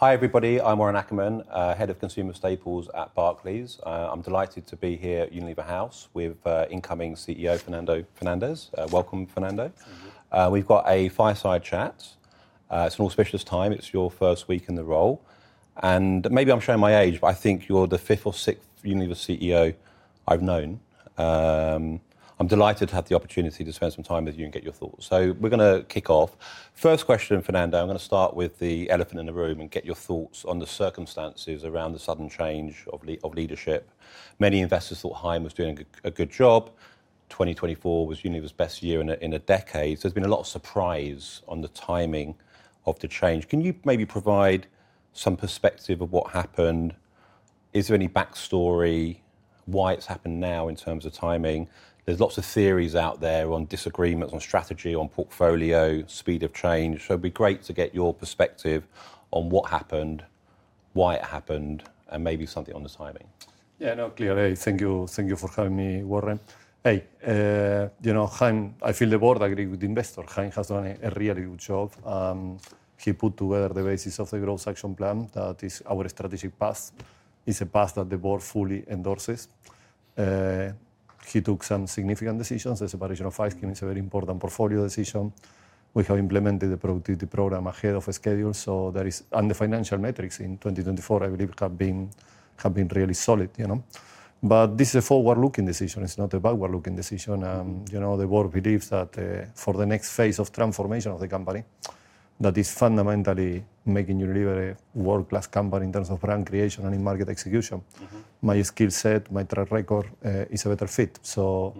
Hi, everybody. I'm Warren Ackerman, Head of Consumer Staples at Barclays. I'm delighted to be here at Unilever House with incoming CEO Fernando Fernandez. Welcome, Fernando. Thank you. We've got a fireside chat. It's an auspicious time. It's your first week in the role. Maybe I'm showing my age, but I think you're the fifth or sixth Unilever CEO I've known. I'm delighted to have the opportunity to spend some time with you and get your thoughts. We're going to kick off. First question, Fernando. I'm going to start with the elephant in the room and get your thoughts on the circumstances around the sudden change of leadership. Many investors thought Hein was doing a good job. 2024 was Unilever's best year in a decade. There's been a lot of surprise on the timing of the change. Can you maybe provide some perspective of what happened? Is there any backstory? Why it's happened now in terms of timing? There's lots of theories out there on disagreements on strategy, on portfolio, speed of change. So it'd be great to get your perspective on what happened, why it happened, and maybe something on the timing. Yeah, no, clearly. Thank you for having me, Warren. Hey, you know, I feel the board agrees with the investor. Hein has done a really good job. He put together the basis of the Growth Action Plan that is our strategic path. It's a path that the board fully endorses. He took some significant decisions. The separation of Ice Cream is a very important portfolio decision. We have implemented the productivity program ahead of schedule. So there is, and the financial metrics in 2024, I believe, have been really solid, you know. But this is a forward-looking decision. It's not a backward-looking decision. You know, the board believes that for the next phase of transformation of the company that is fundamentally making Unilever a world-class company in terms of brand creation and in market execution, my skill set, my track record is a better fit. So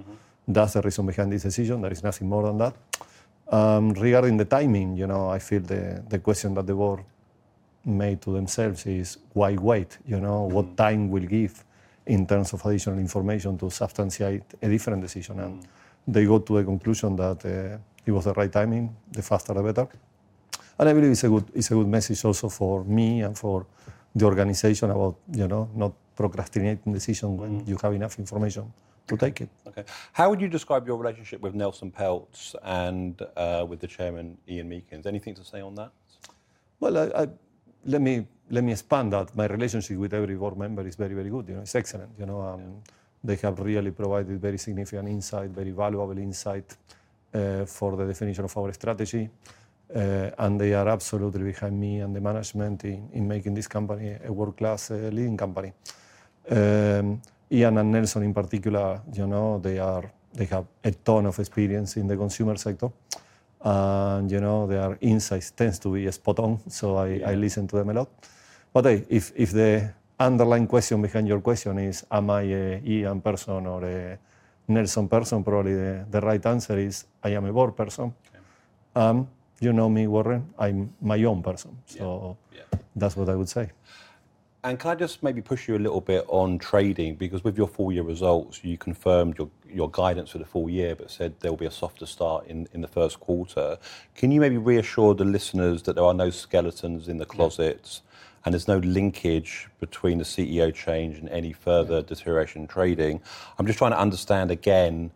that's the reason behind this decision. There is nothing more than that. Regarding the timing, you know, I feel the question that the board made to themselves is, why wait? You know, what time will give in terms of additional information to substantiate a different decision? And they got to the conclusion that it was the right timing. The faster, the better. And I believe it's a good message also for me and for the organization about, you know, not procrastinating decisions when you have enough information to take it. Okay. How would you describe your relationship with Nelson Peltz and with the chairman, Ian Meakins? Anything to say on that? Let me expand that. My relationship with every board member is very, very good. You know, it's excellent. You know, they have really provided very significant insight, very valuable insight for the definition of our strategy. They are absolutely behind me and the management in making this company a world-class leading company. Ian and Nelson, in particular, you know, they have a ton of experience in the consumer sector. You know, their insights tend to be spot on. I listen to them a lot. If the underlying question behind your question is, am I an Ian person or a Nelson person, probably the right answer is, I am a board person. You know me, Warren. I'm my own person. That's what I would say. And can I just maybe push you a little bit on trading? Because with your full-year results, you confirmed your guidance for the full year, but said there will be a softer start in the Q1. Can you maybe reassure the listeners that there are no skeletons in the closet and there's no linkage between the CEO change and any further deterioration in trading? I'm just trying to understand again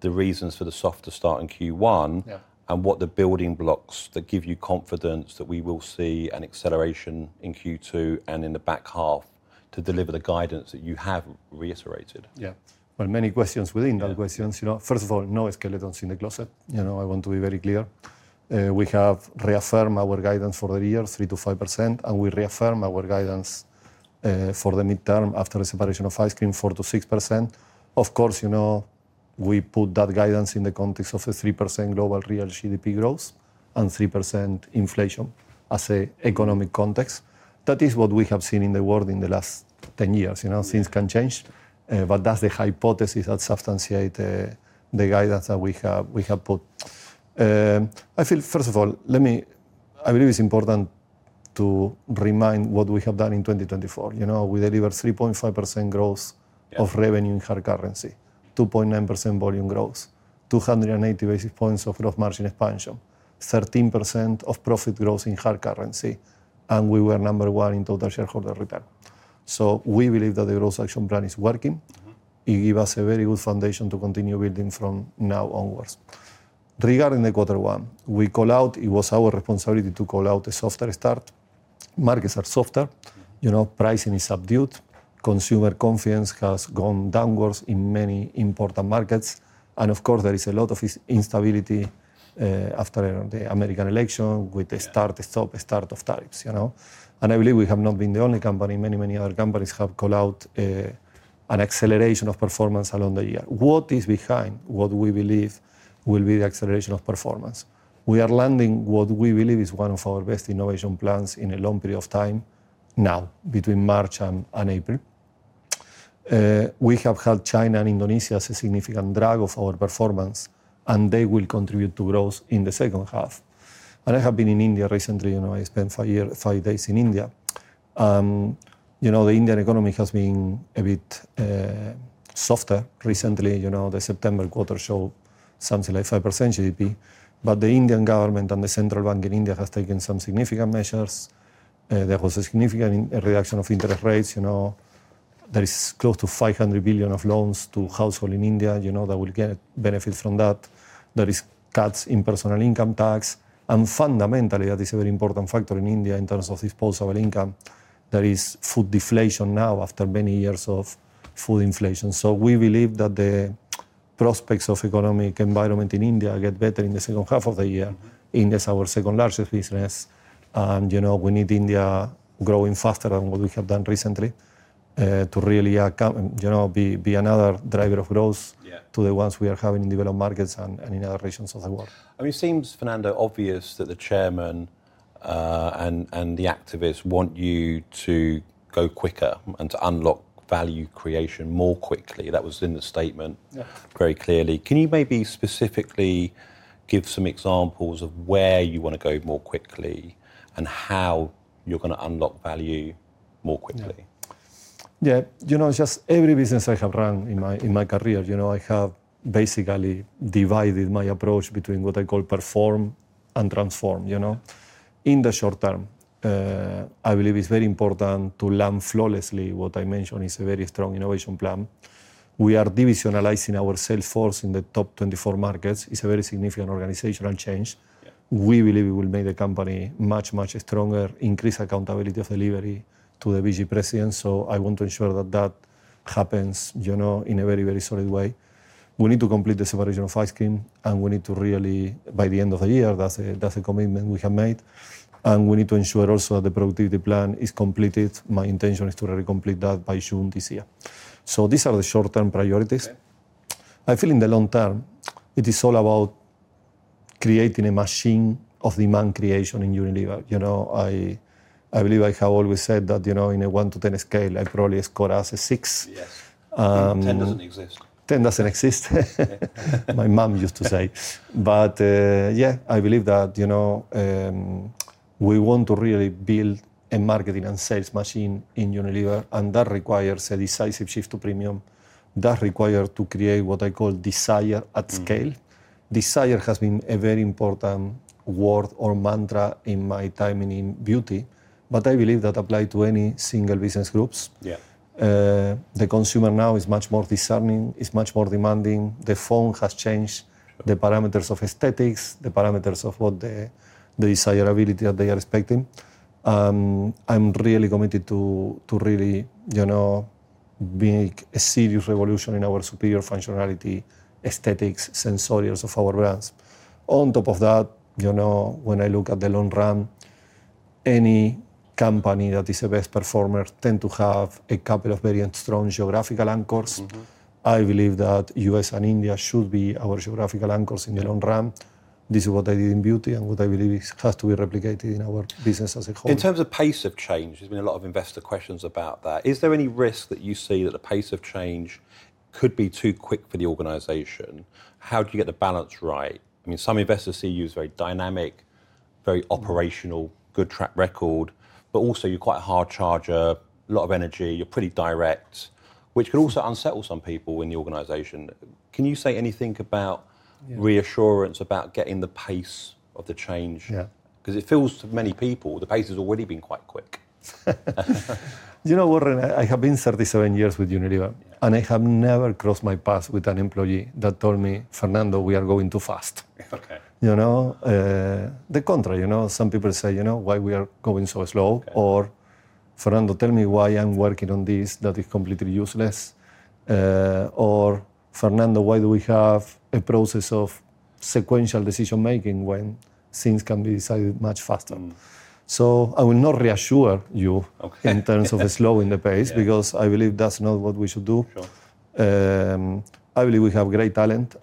the reasons for the softer start in Q1 and what the building blocks that give you confidence that we will see an acceleration in Q2 and in the back half to deliver the guidance that you have reiterated. Yeah. Well, many questions within that questions. You know, first of all, no skeletons in the closet. You know, I want to be very clear. We have reaffirmed our guidance for the year, 3% to 5%. And we reaffirm our guidance for the midterm after the separation of ice cream, 4% to 6%. Of course, you know, we put that guidance in the context of a 3% global real GDP growth and 3% inflation as an economic context. That is what we have seen in the world in the last 10 years, you know, things can change. But that's the hypothesis that substantiates the guidance that we have put. I feel, first of all, let me, I believe it's important to remind what we have done in 2024. You know, we delivered 3.5% growth of revenue in hard currency, 2.9% volume growth, 280 basis points of gross margin expansion, 13% of profit growth in hard currency. And we were number one in total shareholder return. So we believe that the Growth Action Plan is working. It gives us a very good foundation to continue building from now onwards. Regarding the quarter one, we call out. It was our responsibility to call out a softer start. Markets are softer. You know, pricing is subdued. Consumer confidence has gone downwards in many important markets. And of course, there is a lot of instability after the American election with the start, stop, start of tariffs, you know. And I believe we have not been the only company. Many, many other companies have called out an acceleration of performance along the year. What is behind what we believe will be the acceleration of performance? We are landing what we believe is one of our best innovation plans in a long period of time now, between March and April. We have had China and Indonesia as a significant drag of our performance, and they will contribute to growth in the second half. I have been in India recently. You know, I spent five days in India. You know, the Indian economy has been a bit softer recently. You know, the September quarter showed something like 5% GDP. The Indian government and the central bank in India have taken some significant measures. There was a significant reduction of interest rates. You know, there is close to 500 billion of loans to households in India, you know, that will get benefit from that. There are cuts in personal income tax. Fundamentally, that is a very important factor in India in terms of disposable income. There is food deflation now after many years of food inflation. We believe that the prospects of the economic environment in India get better in the second half of the year. India is our second largest business. And, you know, we need India growing faster than what we have done recently to really, you know, be another driver of growth to the ones we are having in developed markets and in other regions of the world. I mean, it seems obvious, Fernando, that the chairman and the activists want you to go quicker and to unlock value creation more quickly. That was in the statement very clearly. Can you maybe specifically give some examples of where you want to go more quickly and how you're going to unlock value more quickly? Yeah. You know, it's just every business I have run in my career, you know. I have basically divided my approach between what I call perform and transform, you know. In the short term, I believe it's very important to land flawlessly what I mentioned is a very strong innovation plan. We are divisionalizing our sales force in the top 24 markets. It's a very significant organizational change. We believe it will make the company much, much stronger, increase accountability of delivery to the BG President. So I want to ensure that that happens, you know, in a very, very solid way. We need to complete the separation of ice cream, and we need to really, by the end of the year. That's a commitment we have made, and we need to ensure also that the productivity plan is completed. My intention is to really complete that by June this year. So these are the short-term priorities. I feel in the long term, it is all about creating a machine of demand creation in Unilever. You know, I believe I have always said that, you know, in a one to 10 scale, I probably score as a six. 10 doesn't exist. 10 doesn't exist. My mom used to say. But yeah, I believe that, you know, we want to really build a marketing and sales machine in Unilever, and that requires a decisive shift to premium. That requires to create what I call desire at scale. Desire has been a very important word or mantra in my timing in beauty, but I believe that applies to any single business groups. The consumer now is much more discerning, is much more demanding. The phone has changed the parameters of aesthetics, the parameters of what the desirability that they are expecting. I'm really committed to really, you know, being a serious revolution in our superior functionality, aesthetics, sensorials of our brands. On top of that, you know, when I look at the long run, any company that is a best performer tends to have a couple of very strong geographical anchors. I believe that US and India should be our geographical anchors in the long run. This is what I did in beauty and what I believe has to be replicated in our business as a whole. In terms of pace of change, there's been a lot of investor questions about that. Is there any risk that you see that the pace of change could be too quick for the organization? How do you get the balance right? I mean, some investors see you as very dynamic, very operational, good track record, but also you're quite a hard charger, a lot of energy, you're pretty direct, which could also unsettle some people in the organization. Can you say anything about reassurance about getting the pace of the change? Because it feels to many people, the pace has already been quite quick. You know, Warren, I have been 37 years with Unilever, and I have never crossed my path with an employee that told me, "Fernando, we are going too fast." You know, the contrary. You know, some people say, you know, why we are going so slow? Or, "Fernando, tell me why I'm working on this that is completely useless." Or, "Fernando, why do we have a process of sequential decision-making when things can be decided much faster?" So I will not reassure you in terms of slowing the pace because I believe that's not what we should do. I believe we have great talent.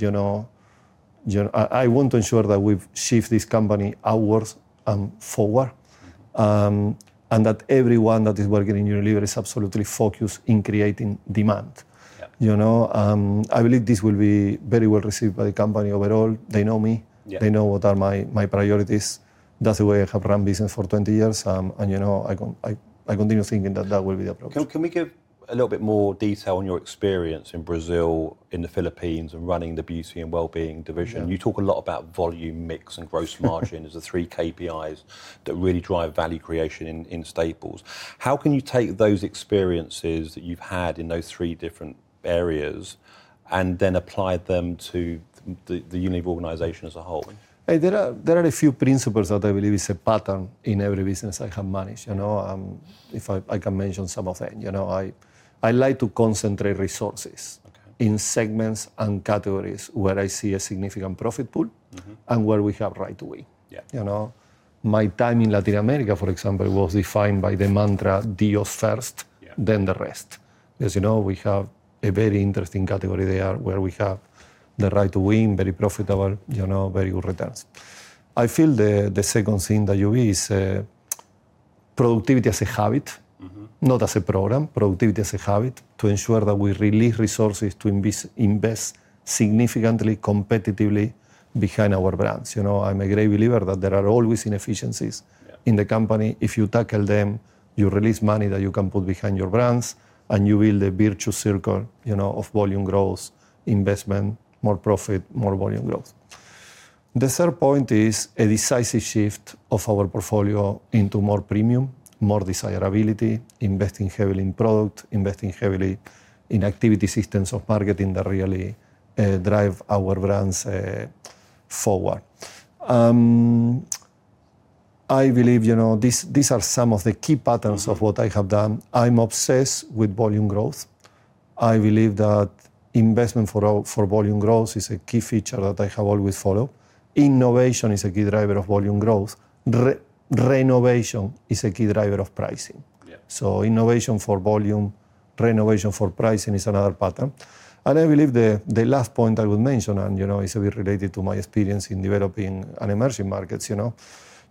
You know, I want to ensure that we shift this company outwards and forward and that everyone that is working in Unilever is absolutely focused in creating demand. You know, I believe this will be very well received by the company overall. They know me. They know what are my priorities. That's the way I have run business for 20 years. And, you know, I continue thinking that that will be the approach. Can we get a little bit more detail on your experience in Brazil, in the Philippines, and running the Beauty and Wellbeing division? You talk a lot about volume mix and gross margin as the three KPIs that really drive value creation in Staples. How can you take those experiences that you've had in those three different areas and then apply them to the Unilever organization as a whole? There are a few principles that I believe is a pattern in every business I have managed. You know, if I can mention some of them, you know, I like to concentrate resources in segments and categories where I see a significant profit pool and where we have right to win. You know, my time in Latin America, for example, was defined by the mantra, "Deos first, then the rest." As you know, we have a very interesting category there where we have the right to win, very profitable, you know, very good returns. I feel the second thing that you is productivity as a habit, not as a program, productivity as a habit to ensure that we release resources to invest significantly competitively behind our brands. You know, I'm a great believer that there are always inefficiencies in the company. If you tackle them, you release money that you can put behind your brands and you build a virtuous circle, you know, of volume growth, investment, more profit, more volume growth. The third point is a decisive shift of our portfolio into more premium, more desirability, investing heavily in product, investing heavily in activity systems of marketing that really drive our brands forward. I believe, you know, these are some of the key patterns of what I have done. I'm obsessed with volume growth. I believe that investment for volume growth is a key feature that I have always followed. Innovation is a key driver of volume growth. Renovation is a key driver of pricing. So innovation for volume, renovation for pricing is another pattern. And I believe the last point I would mention, and you know, it's a bit related to my experience in developing and emerging markets, you know,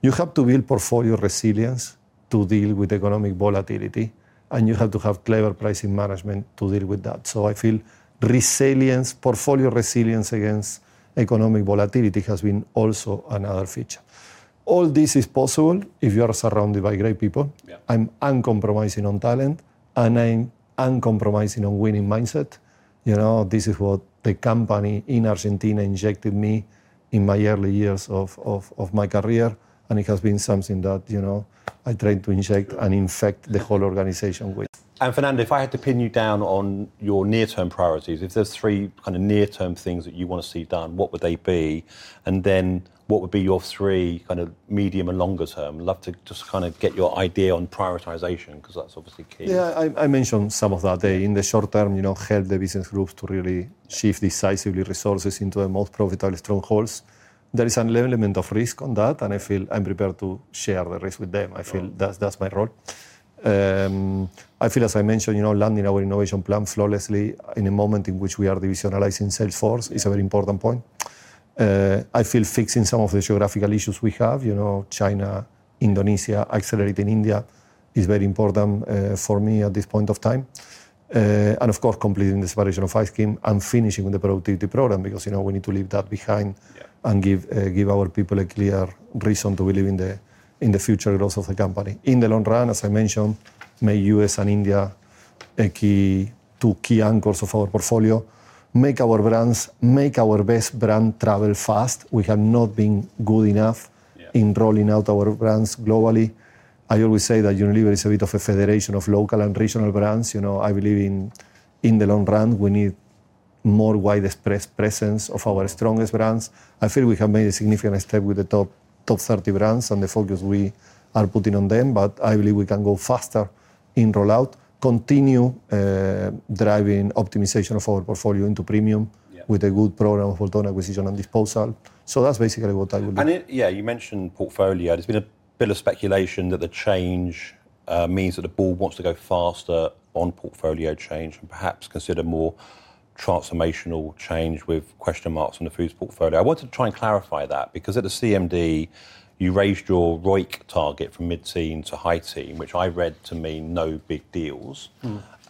you have to build portfolio resilience to deal with economic volatility and you have to have clever pricing management to deal with that. So I feel resilience, portfolio resilience against economic volatility has been also another feature. All this is possible if you are surrounded by great people. I'm uncompromising on talent and I'm uncompromising on winning mindset. You know, this is what the company in Argentina injected me in my early years of my career. And it has been something that, you know, I try to inject and infect the whole organization with. Fernando, if I had to pin you down on your near-term priorities, if there's three kind of near-term things that you want to see done, what would they be? And then what would be your three kind of medium and longer term? I'd love to just kind of get your idea on prioritization because that's obviously key. Yeah, I mentioned some of that. In the short term, you know, help the business groups to really shift decisively resources into the most profitable strongholds. There is an element of risk on that, and I feel I'm prepared to share the risk with them. I feel that's my role. I feel, as I mentioned, you know, landing our innovation plan flawlessly in a moment in which we are divisionalizing sales force is a very important point. I feel fixing some of the geographical issues we have, you know, China, Indonesia, accelerating India is very important for me at this point of time. And of course, completing the separation of ice cream and finishing with the productivity program because, you know, we need to leave that behind and give our people a clear reason to believe in the future growth of the company. In the long run, as I mentioned, make US and India two key anchors of our portfolio. Make our brands, make our best brand travel fast. We have not been good enough in rolling out our brands globally. I always say that Unilever is a bit of a federation of local and regional brands. You know, I believe in the long run, we need more widespread presence of our strongest brands. I feel we have made a significant step with the top 30 brands and the focus we are putting on them, but I believe we can go faster in rollout, continue driving optimization of our portfolio into premium with a good program of bolt-on acquisition and disposal. So that's basically what I would do. Yeah, you mentioned portfolio. There's been a bit of speculation that the change means that the board wants to go faster on portfolio change and perhaps consider more transformational change with question marks on the Foods portfolio. I want to try and clarify that because at the CMD, you raised your ROIC target from mid-teens to high teens, which I read to mean no big deals.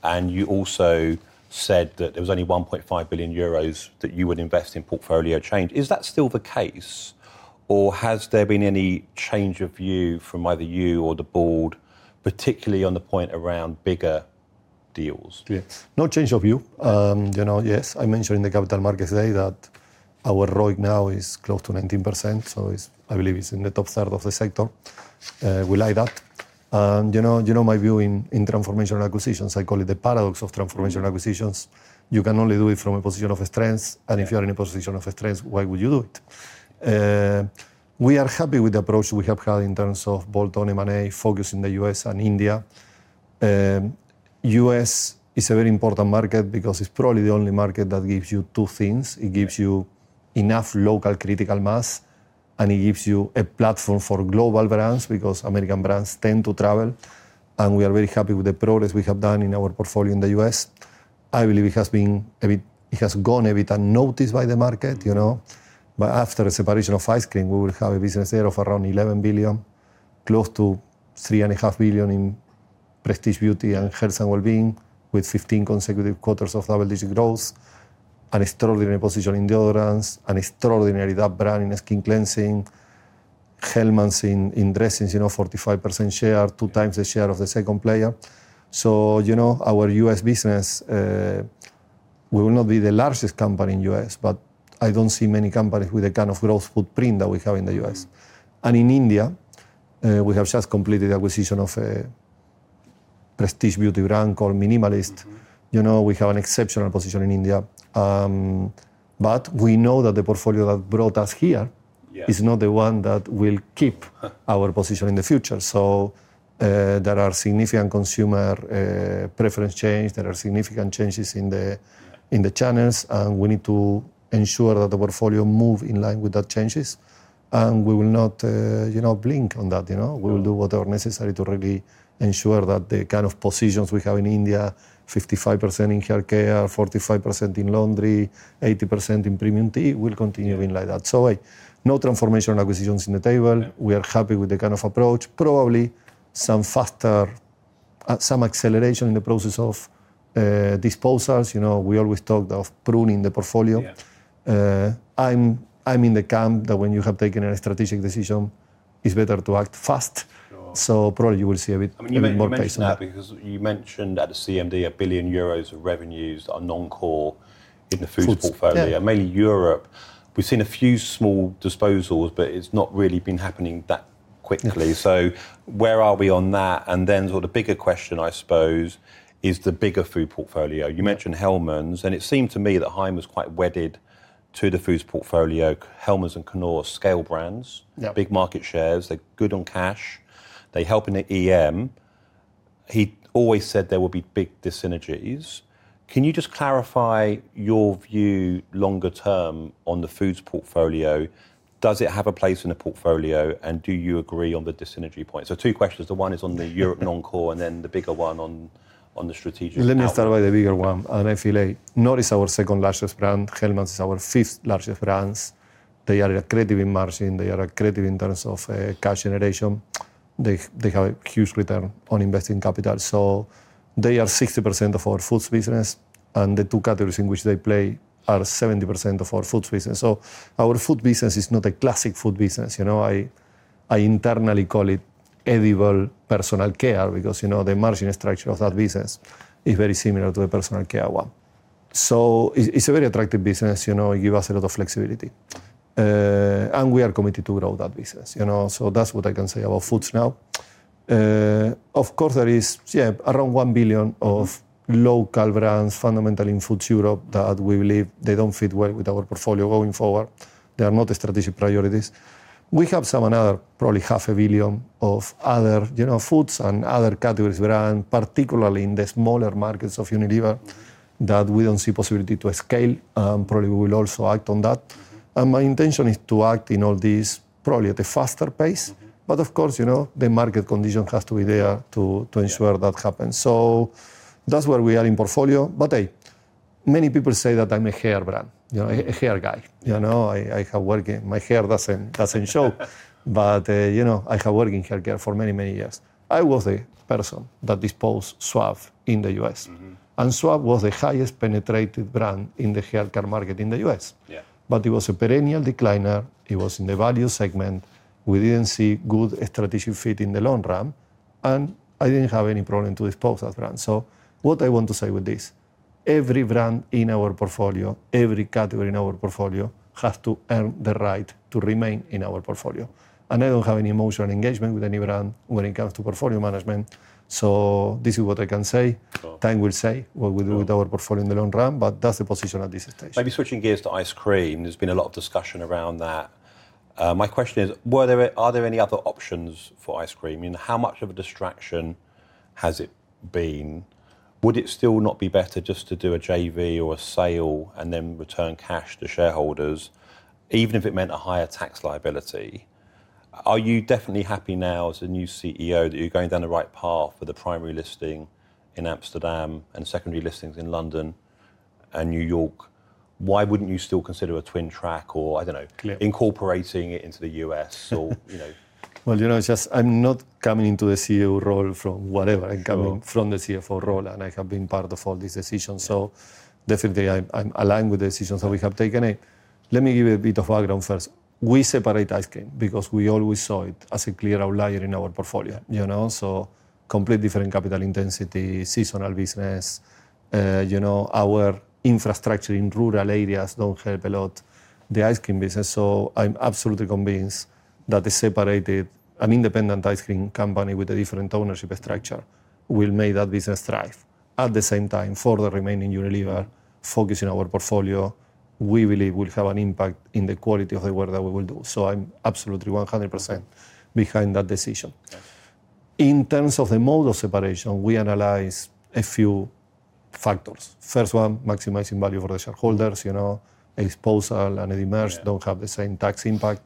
And you also said that there was only 1.5 billion euros that you would invest in portfolio change. Is that still the case or has there been any change of view from either you or the board, particularly on the point around bigger deals? No change of view. You know, yes, I mentioned at the Capital Markets Day today that our ROIC now is close to 19%. So I believe it's in the top third of the sector. We like that, and you know, my view in transformational acquisitions, I call it the paradox of transformational acquisitions. You can only do it from a position of strength, and if you are in a position of strength, why would you do it? We are happy with the approach we have had in terms of bolt-on M&A focus in the US and India. US is a very important market because it's probably the only market that gives you two things. It gives you enough local critical mass, and it gives you a platform for global brands because American brands tend to travel. We are very happy with the progress we have done in our portfolio in the US I believe it has been a bit, it has gone a bit unnoticed by the market, you know. After the separation of ice cream, we will have a business there of around $11 billion, close to $3.5 billion in Prestige Beauty and Health and Wellbeing with 15 consecutive quarters of double-digit growth, an extraordinary position in deodorants, an extraordinary Dove brand in skin cleansing, Hellmann's in dressings, you know, 45% share, two times the share of the second player. You know, our US business, we will not be the largest company in the US, but I don't see many companies with the kind of growth footprint that we have in the US In India, we have just completed the acquisition of a Prestige Beauty brand called Minimalist. You know, we have an exceptional position in India. But we know that the portfolio that brought us here is not the one that will keep our position in the future. So there are significant consumer preference changes. There are significant changes in the channels, and we need to ensure that the portfolio moves in line with that changes. And we will not, you know, blink on that. You know, we will do whatever necessary to really ensure that the kind of positions we have in India, 55% in hair care, 45% in laundry, 80% in premium tea, will continue being like that. So no transformational acquisitions on the table. We are happy with the kind of approach. Probably some faster, some acceleration in the process of disposals. You know, we always talk of pruning the portfolio. I'm in the camp that when you have taken a strategic decision, it's better to act fast, so probably you will see a bit more pace on that. I mean, you mentioned at the CMD, 1 billion euros of revenues are non-core in the foods portfolio, mainly Europe. We've seen a few small disposals, but it's not really been happening that quickly. So where are we on that? And then sort of the bigger question, I suppose, is the bigger food portfolio. You mentioned Hellmann's, and it seemed to me that Hein was quite wedded to the foods portfolio. Hellmann's and Knorr are scale brands, big market shares. They're good on cash. They help in the EM. He always said there would be big synergies. Can you just clarify your view longer term on the foods portfolio? Does it have a place in the portfolio? And do you agree on the synergy point? So two questions. The one is on the Europe non-core and then the bigger one on the strategic brand. Let me start by the bigger one. I feel like Knorr is our second largest brand. Hellmann's is our fifth largest brand. They are accretive in margin. They are accretive in terms of cash generation. They have a huge return on invested capital. So they are 60% of our foods business, and the two categories in which they play are 70% of our foods business. So our food business is not a classic food business. You know, I internally call it edible Personal Care because, you know, the margin structure of that business is very similar to the Personal Care one. So it is a very attractive business. You know, it gives us a lot of flexibility. And we are committed to grow that business. You know, so that is what I can say about foods now. Of course, there is, yeah, around 1 billion of local brands fundamentally in Foods Europe that we believe they don't fit well with our portfolio going forward. They are not strategic priorities. We have some another, probably 500 million of other, you know, foods and other categories brand, particularly in the smaller markets of Unilever that we don't see the possibility to scale, and probably we will also act on that. And my intention is to act in all these probably at a faster pace, but of course, you know, the market condition has to be there to ensure that happens. So that's where we are in portfolio. But hey, many people say that I'm a hair brand, you know, a hair guy. You know, I have worked in hair; it doesn't show, but you know, I have worked in hair care for many, many years. I was the person that disposed Suave in the US. And Suave was the highest penetrated brand in the hair care market in the US. But it was a perennial decliner. It was in the value segment. We didn't see good strategic fit in the long run. And I didn't have any problem to disposal brand. So what I want to say with this, every brand in our portfolio, every category in our portfolio has to earn the right to remain in our portfolio. And I don't have any emotional engagement with any brand when it comes to portfolio management. So this is what I can say. Time will say what we do with our portfolio in the long run, but that's the position at this stage. Maybe switching gears to ice cream. There's been a lot of discussion around that. My question is, are there any other options for ice cream? I mean, how much of a distraction has it been? Would it still not be better just to do a JV or a sale and then return cash to shareholders, even if it meant a higher tax liability? Are you definitely happy now as a new CEO that you're going down the right path with the primary listing in Amsterdam and secondary listings in London and New York? Why wouldn't you still consider a twin track or, I don't know, incorporating it into the US or, you know? You know, just I'm not coming into the CEO role from whatever. I'm coming from the CFO role, and I have been part of all these decisions. So definitely I'm aligned with the decisions that we have taken. Let me give you a bit of background first. We separate ice cream because we always saw it as a clear outlier in our portfolio, you know. So complete different capital intensity, seasonal business, you know, our infrastructure in rural areas don't help a lot the ice cream business. So I'm absolutely convinced that a separated, an independent ice cream company with a different ownership structure will make that business thrive. At the same time, for the remaining Unilever focus in our portfolio, we believe we'll have an impact in the quality of the work that we will do. So I'm absolutely 100% behind that decision. In terms of the mode of separation, we analyze a few factors. First one, maximizing value for the shareholders, you know, IPO and demerger don't have the same tax impact.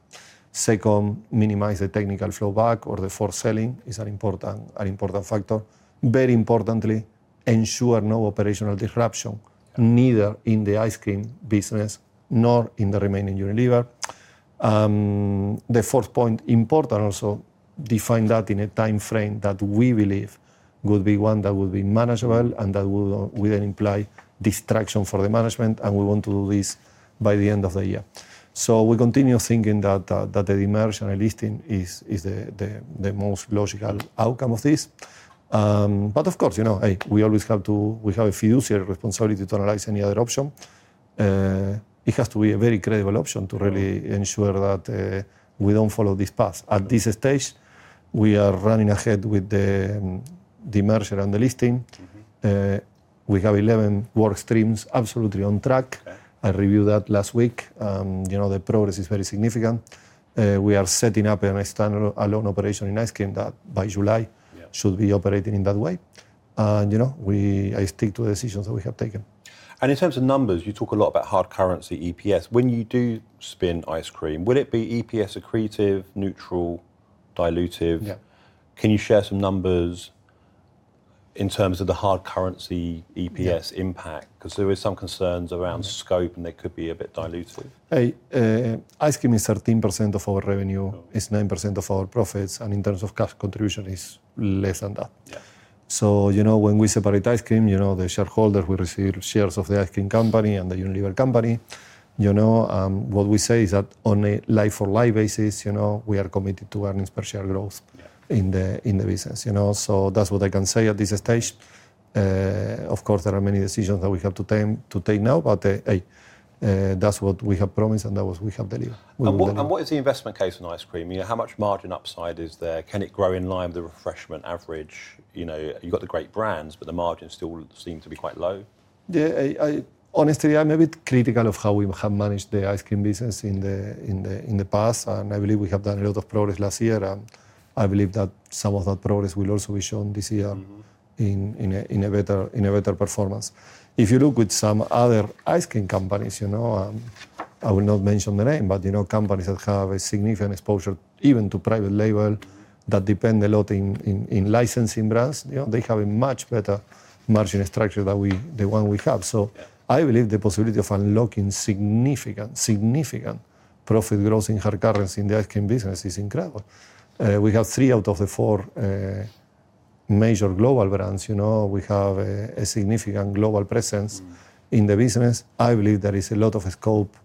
Second, minimize the political blowback or the forced selling is an important factor. Very importantly, ensure no operational disruption, neither in the ice cream business nor in the remaining Unilever. The fourth point, important also, do it in a timeframe that we believe would be one that would be manageable and that wouldn't imply distraction for the management. And we want to do this by the end of the year. So we continue thinking that the demerger and listing is the most logical outcome of this. But of course, you know, hey, we always have to, we have a fiduciary responsibility to analyze any other option. It has to be a very credible option to really ensure that we don't follow this path. At this stage, we are running ahead with the merger and the listing. We have 11 work streams absolutely on track. I reviewed that last week. You know, the progress is very significant. We are setting up a standalone operation in ice cream that by July should be operating in that way, and you know, I stick to the decisions that we have taken. In terms of numbers, you talk a lot about hard currency EPS. When you do spin off ice cream, would it be EPS accretive, neutral, dilutive? Can you share some numbers in terms of the hard currency EPS impact? Because there were some concerns around scope and they could be a bit dilutive. Hey, ice cream is 13% of our revenue, is 9% of our profits, and in terms of cash contribution, it's less than that, so you know, when we separate ice cream, you know, the shareholders, we receive shares of the ice cream company and the Unilever company. You know, what we say is that on a like-for-like basis, you know, we are committed to earnings per share growth in the business. You know, so that's what I can say at this stage. Of course, there are many decisions that we have to take now, but hey, that's what we have promised and that's what we have delivered. What is the investment case in ice cream? You know, how much margin upside is there? Can it grow in line with the refreshment average? You know, you've got the great brands, but the margins still seem to be quite low. Yeah, honestly, I'm a bit critical of how we have managed the ice cream business in the past, and I believe we have done a lot of progress last year, and I believe that some of that progress will also be shown this year in a better performance. If you look with some other ice cream companies, you know, I will not mention the name, but you know, companies that have a significant exposure even to private label that depend a lot in licensing brands, you know, they have a much better margin structure than the one we have, so I believe the possibility of unlocking significant, significant profit growth in hard currency in the ice cream business is incredible. We have three out of the four major global brands. You know, we have a significant global presence in the business. I believe there is a lot of scope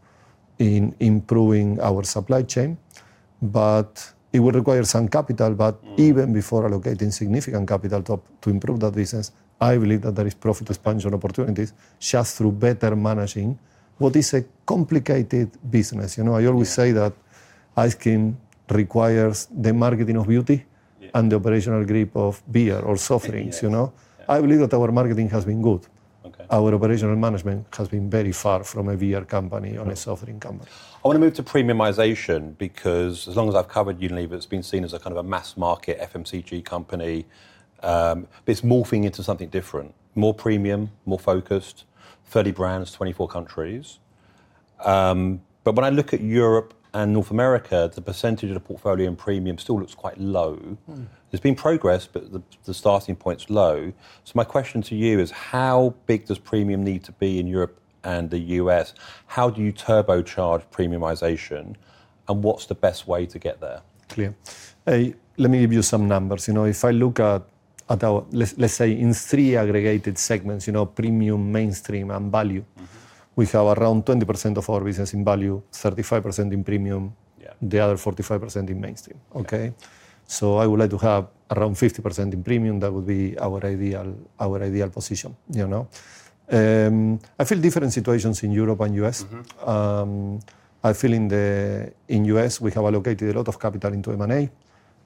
in improving our supply chain, but it will require some capital. But even before allocating significant capital to improve that business, I believe that there is profit expansion opportunities just through better managing what is a complicated business. You know, I always say that ice cream requires the marketing of beauty and the operational grip of beer or soft drinks. You know, I believe that our marketing has been good. Our operational management has been very far from a beer company or a soft drink company. I want to move to premiumization because as long as I've covered Unilever, it's been seen as a kind of a mass market FMCG company. It's morphing into something different, more premium, more focused, 30 brands, 24 countries. But when I look at Europe and North America, the percentage of the portfolio in premium still looks quite low. There's been progress, but the starting point's low. So my question to you is, how big does premium need to be in Europe and the US? How do you turbocharge premiumization and what's the best way to get there? Clear. Let me give you some numbers. You know, if I look at our, let's say in three aggregated segments, you know, premium, mainstream, and value, we have around 20% of our business in value, 35% in premium, the other 45% in mainstream. Okay. So I would like to have around 50% in premium. That would be our ideal position, you know. I feel different situations in Europe and US. I feel in the US, we have allocated a lot of capital into M&A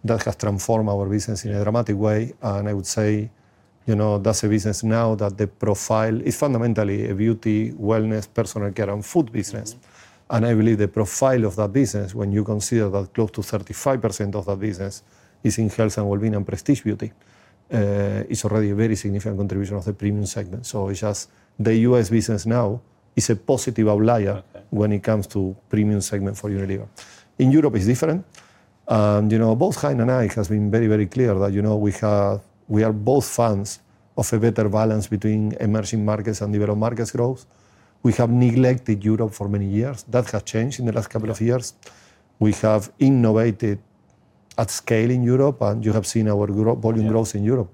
that has transformed our business in a dramatic way. And I would say, you know, that's a business now that the profile is fundamentally a beauty, wellness, personal care, and food business. And I believe the profile of that business, when you consider that close to 35% of that business is in Health and wellbeing and Prestige Beauty, is already a very significant contribution of the premium segment. So it's just the US business now is a positive outlier when it comes to premium segment for Unilever. In Europe, it's different. You know, both Hein and I have been very, very clear that, you know, we are both fans of a better balance between emerging markets and developed markets growth. We have neglected Europe for many years. That has changed in the last couple of years. We have innovated at scale in Europe, and you have seen our volume growth in Europe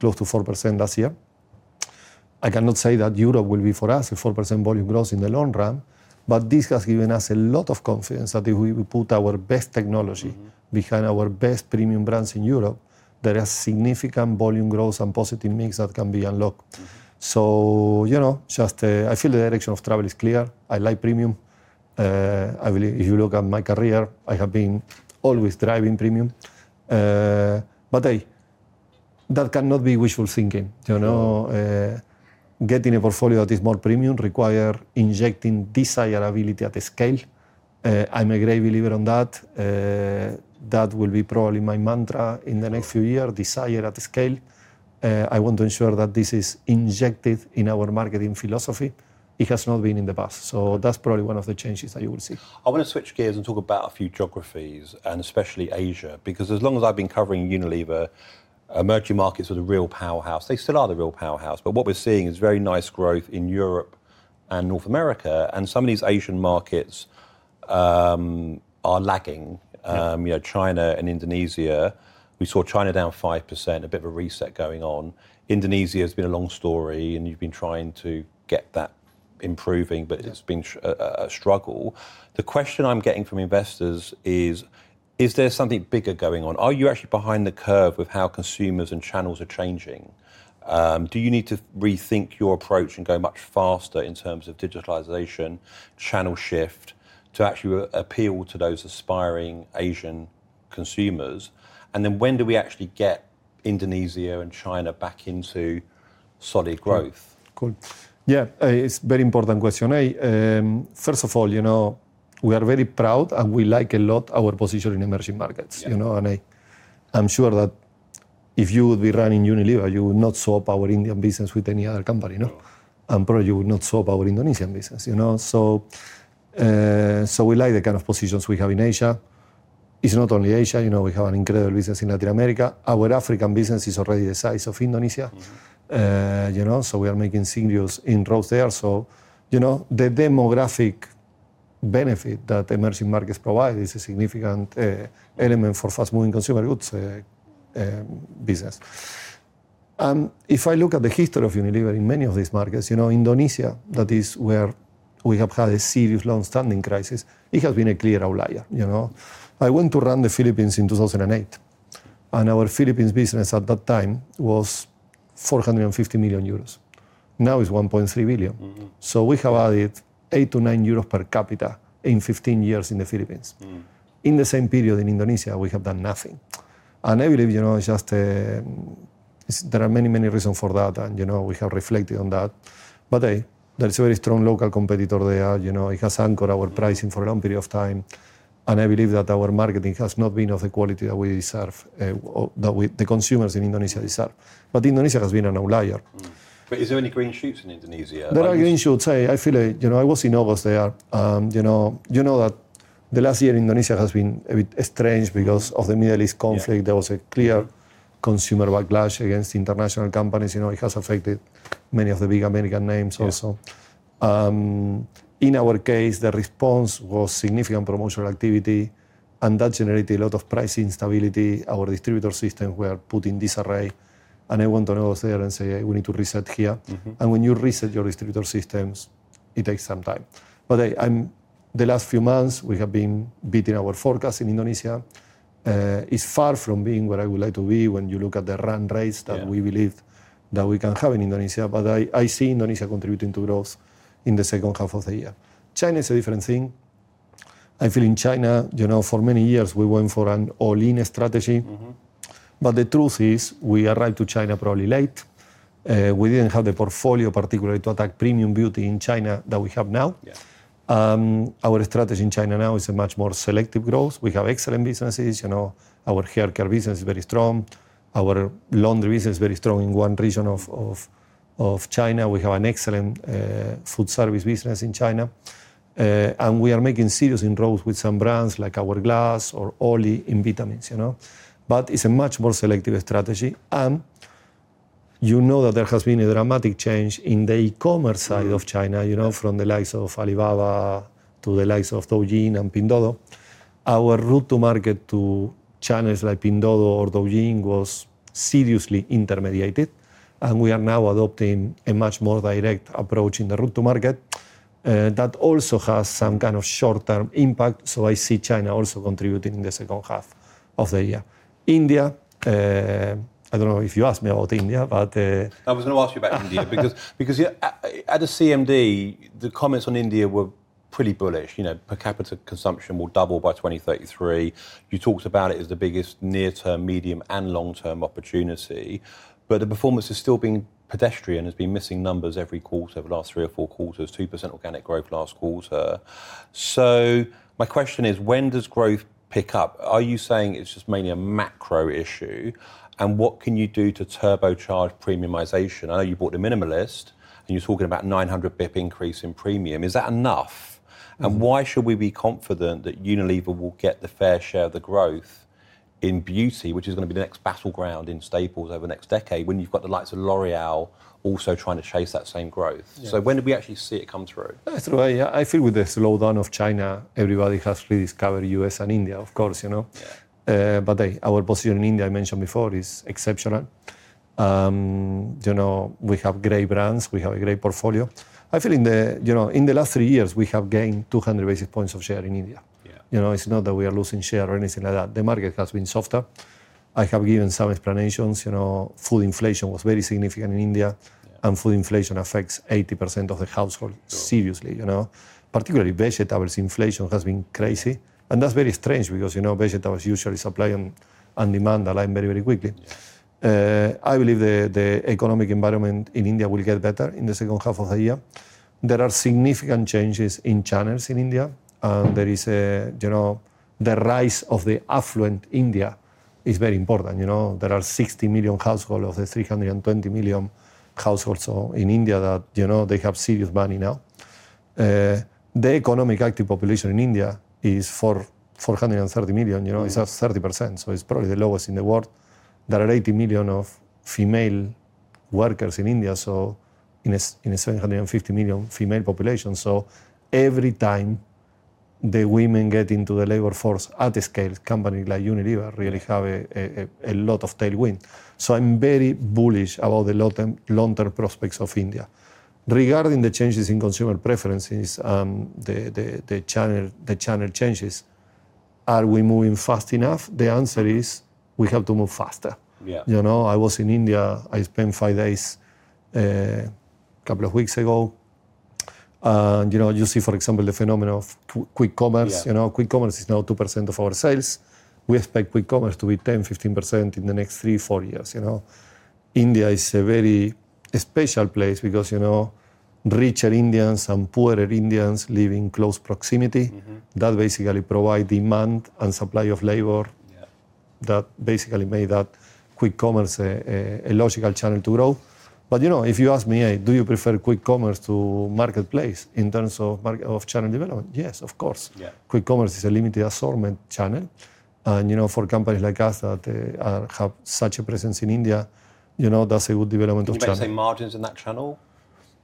close to 4% last year. I cannot say that Europe will be for us a 4% volume growth in the long run, but this has given us a lot of confidence that if we put our best technology behind our best premium brands in Europe, there is significant volume growth and positive mix that can be unlocked. So, you know, just I feel the direction of travel is clear. I like premium. I believe if you look at my career, I have been always driving premium. But hey, that cannot be wishful thinking. You know, getting a portfolio that is more premium requires injecting desirability at a scale. I'm a great believer on that. That will be probably my mantra in the next few years, desire at a scale. I want to ensure that this is injected in our marketing philosophy. It has not been in the past. So that's probably one of the changes that you will see. I want to switch gears and talk about a few geographies and especially Asia because as long as I've been covering Unilever, emerging markets are the real powerhouse. They still are the real powerhouse. But what we're seeing is very nice growth in Europe and North America. And some of these Asian markets are lagging. You know, China and Indonesia. We saw China down 5%, a bit of a reset going on. Indonesia has been a long story, and you've been trying to get that improving, but it's been a struggle. The question I'm getting from investors is, is there something bigger going on? Are you actually behind the curve with how consumers and channels are changing? Do you need to rethink your approach and go much faster in terms of digitalization, channel shift to actually appeal to those aspiring Asian consumers? And then when do we actually get Indonesia and China back into solid growth? Cool. Yeah, it's a very important question. First of all, you know, we are very proud and we like a lot our position in emerging markets. You know, and I'm sure that if you would be running Unilever, you would not swap our Indian business with any other company, you know. And probably you would not swap our Indonesian business, you know. So we like the kind of positions we have in Asia. It's not only Asia. You know, we have an incredible business in Latin America. Our African business is already the size of Indonesia, you know. So we are making single-digit growth there. So, you know, the demographic benefit that emerging markets provide is a significant element for fast-moving consumer goods business. And if I look at the history of Unilever in many of these markets, you know, Indonesia, that is where we have had a serious long-standing crisis. It has been a clear outlier, you know. I went to run the Philippines in 2008, and our Philippines business at that time was 450 million euros. Now it's 1.3 billion. So we have added 8-9 euros per capita in 15 years in the Philippines. In the same period in Indonesia, we have done nothing. And I believe, you know, it's just there are many, many reasons for that. And, you know, we have reflected on that. But hey, there's a very strong local competitor there. You know, it has anchored our pricing for a long period of time. And I believe that our marketing has not been of the quality that we deserve, that the consumers in Indonesia deserve. But Indonesia has been an outlier. Is there any green shoots in Indonesia? There are green shoots. I feel it. You know, I was in August there. You know, you know that the last year in Indonesia has been a bit strange because of the Middle East conflict. There was a clear consumer backlash against international companies. You know, it has affected many of the big American names also. In our case, the response was significant promotional activity, and that generated a lot of price instability. Our distributor systems were put in disarray, and I went to negotiate and say, hey, we need to reset here, and when you reset your distributor systems, it takes some time, but hey, the last few months we have been beating our forecast in Indonesia is far from being where I would like to be when you look at the run rates that we believe that we can have in Indonesia. But I see Indonesia contributing to growth in the second half of the year. China is a different thing. I feel in China, you know, for many years we went for an all-in strategy. But the truth is we arrived to China probably late. We didn't have the portfolio particularly to attack premium beauty in China that we have now. Our strategy in China now is a much more selective growth. We have excellent businesses. You know, our hair care business is very strong. Our laundry business is very strong in one region of China. We have an excellent food service business in China. And we are making serious inroads with some brands like Hourglass or OLLY in vitamins, you know. But it's a much more selective strategy. You know that there has been a dramatic change in the e-commerce side of China, you know, from the likes of Alibaba to the likes of Douyin and Pinduoduo. Our route to market to channels like Pinduoduo or Douyin was seriously intermediated. We are now adopting a much more direct approach in the route to market that also has some kind of short-term impact. I see China also contributing in the second half of the year. India, I don't know if you asked me about India, but. I was going to ask you about India because at the CMD, the comments on India were pretty bullish. You know, per capita consumption will double by 2033. You talked about it as the biggest near-term, medium, and long-term opportunity. But the performance has still been pedestrian, has been missing numbers every quarter, the last three or four quarters, 2% organic growth last quarter. So my question is, when does growth pick up? Are you saying it's just mainly a macro issue? And what can you do to turbocharge premiumization? I know you bought the Minimalist and you're talking about 900 basis points increase in premium. Is that enough? Why should we be confident that Unilever will get the fair share of the growth in beauty, which is going to be the next battleground in staples over the next decade when you've got the likes of L'Oreal also trying to chase that same growth? So when do we actually see it come through? I feel with the slowdown of China, everybody has rediscovered US and India, of course, you know. But hey, our position in India, I mentioned before, is exceptional. You know, we have great brands. We have a great portfolio. I feel in the, you know, in the last three years, we have gained 200 basis points of share in India. You know, it's not that we are losing share or anything like that. The market has been softer. I have given some explanations. You know, food inflation was very significant in India, and food inflation affects 80% of the household seriously, you know. Particularly, vegetables inflation has been crazy. And that's very strange because, you know, vegetables usually supply and demand align very, very quickly. I believe the economic environment in India will get better in the second half of the year. There are significant changes in channels in India. There is, you know, the rise of the affluent India is very important. You know, there are 60 million households of the 320 million households in India that, you know, they have serious money now. The economic active population in India is 430 million. You know, it's up 30%. It's probably the lowest in the world. There are 80 million female workers in India. So in a 750 million female population. Every time the women get into the labor force at a scale, companies like Unilever really have a lot of tailwind. I'm very bullish about the long-term prospects of India. Regarding the changes in consumer preferences, the channel changes, are we moving fast enough? The answer is we have to move faster. You know, I was in India. I spent five days a couple of weeks ago. You know, you see, for example, the phenomenon of quick commerce. You know, quick commerce is now 2% of our sales. We expect quick commerce to be 10 to 15% in the next three, four years. You know, India is a very special place because, you know, richer Indians and poorer Indians live in close proximity. That basically provides demand and supply of labor that basically made that quick commerce a logical channel to grow. You know, if you ask me, hey, do you prefer quick commerce to marketplace in terms of channel development? Yes, of course. Quick commerce is a limited assortment channel. You know, for companies like us that have such a presence in India, you know, that's a good development of channel. When you say margins in that channel?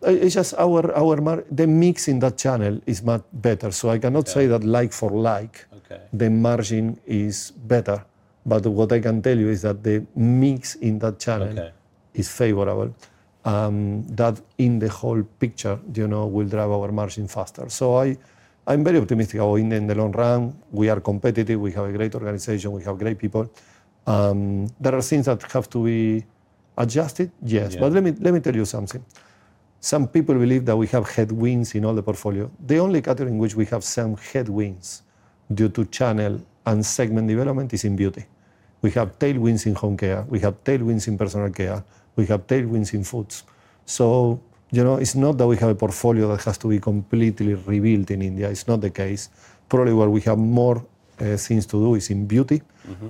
It's just our margin, the mix in that channel is much better. So I cannot say that like for like, the margin is better. But what I can tell you is that the mix in that channel is favorable. That in the whole picture, you know, will drive our margin faster. So I'm very optimistic about India in the long run. We are competitive. We have a great organization. We have great people. There are things that have to be adjusted. Yes. But let me tell you something. Some people believe that we have headwinds in all the portfolio. The only category in which we have some headwinds due to channel and segment development is in beauty. We have tailwinds in Home Care. We have tailwinds in personal care. We have tailwinds in foods. So, you know, it's not that we have a portfolio that has to be completely rebuilt in India. It's not the case. Probably where we have more things to do is in beauty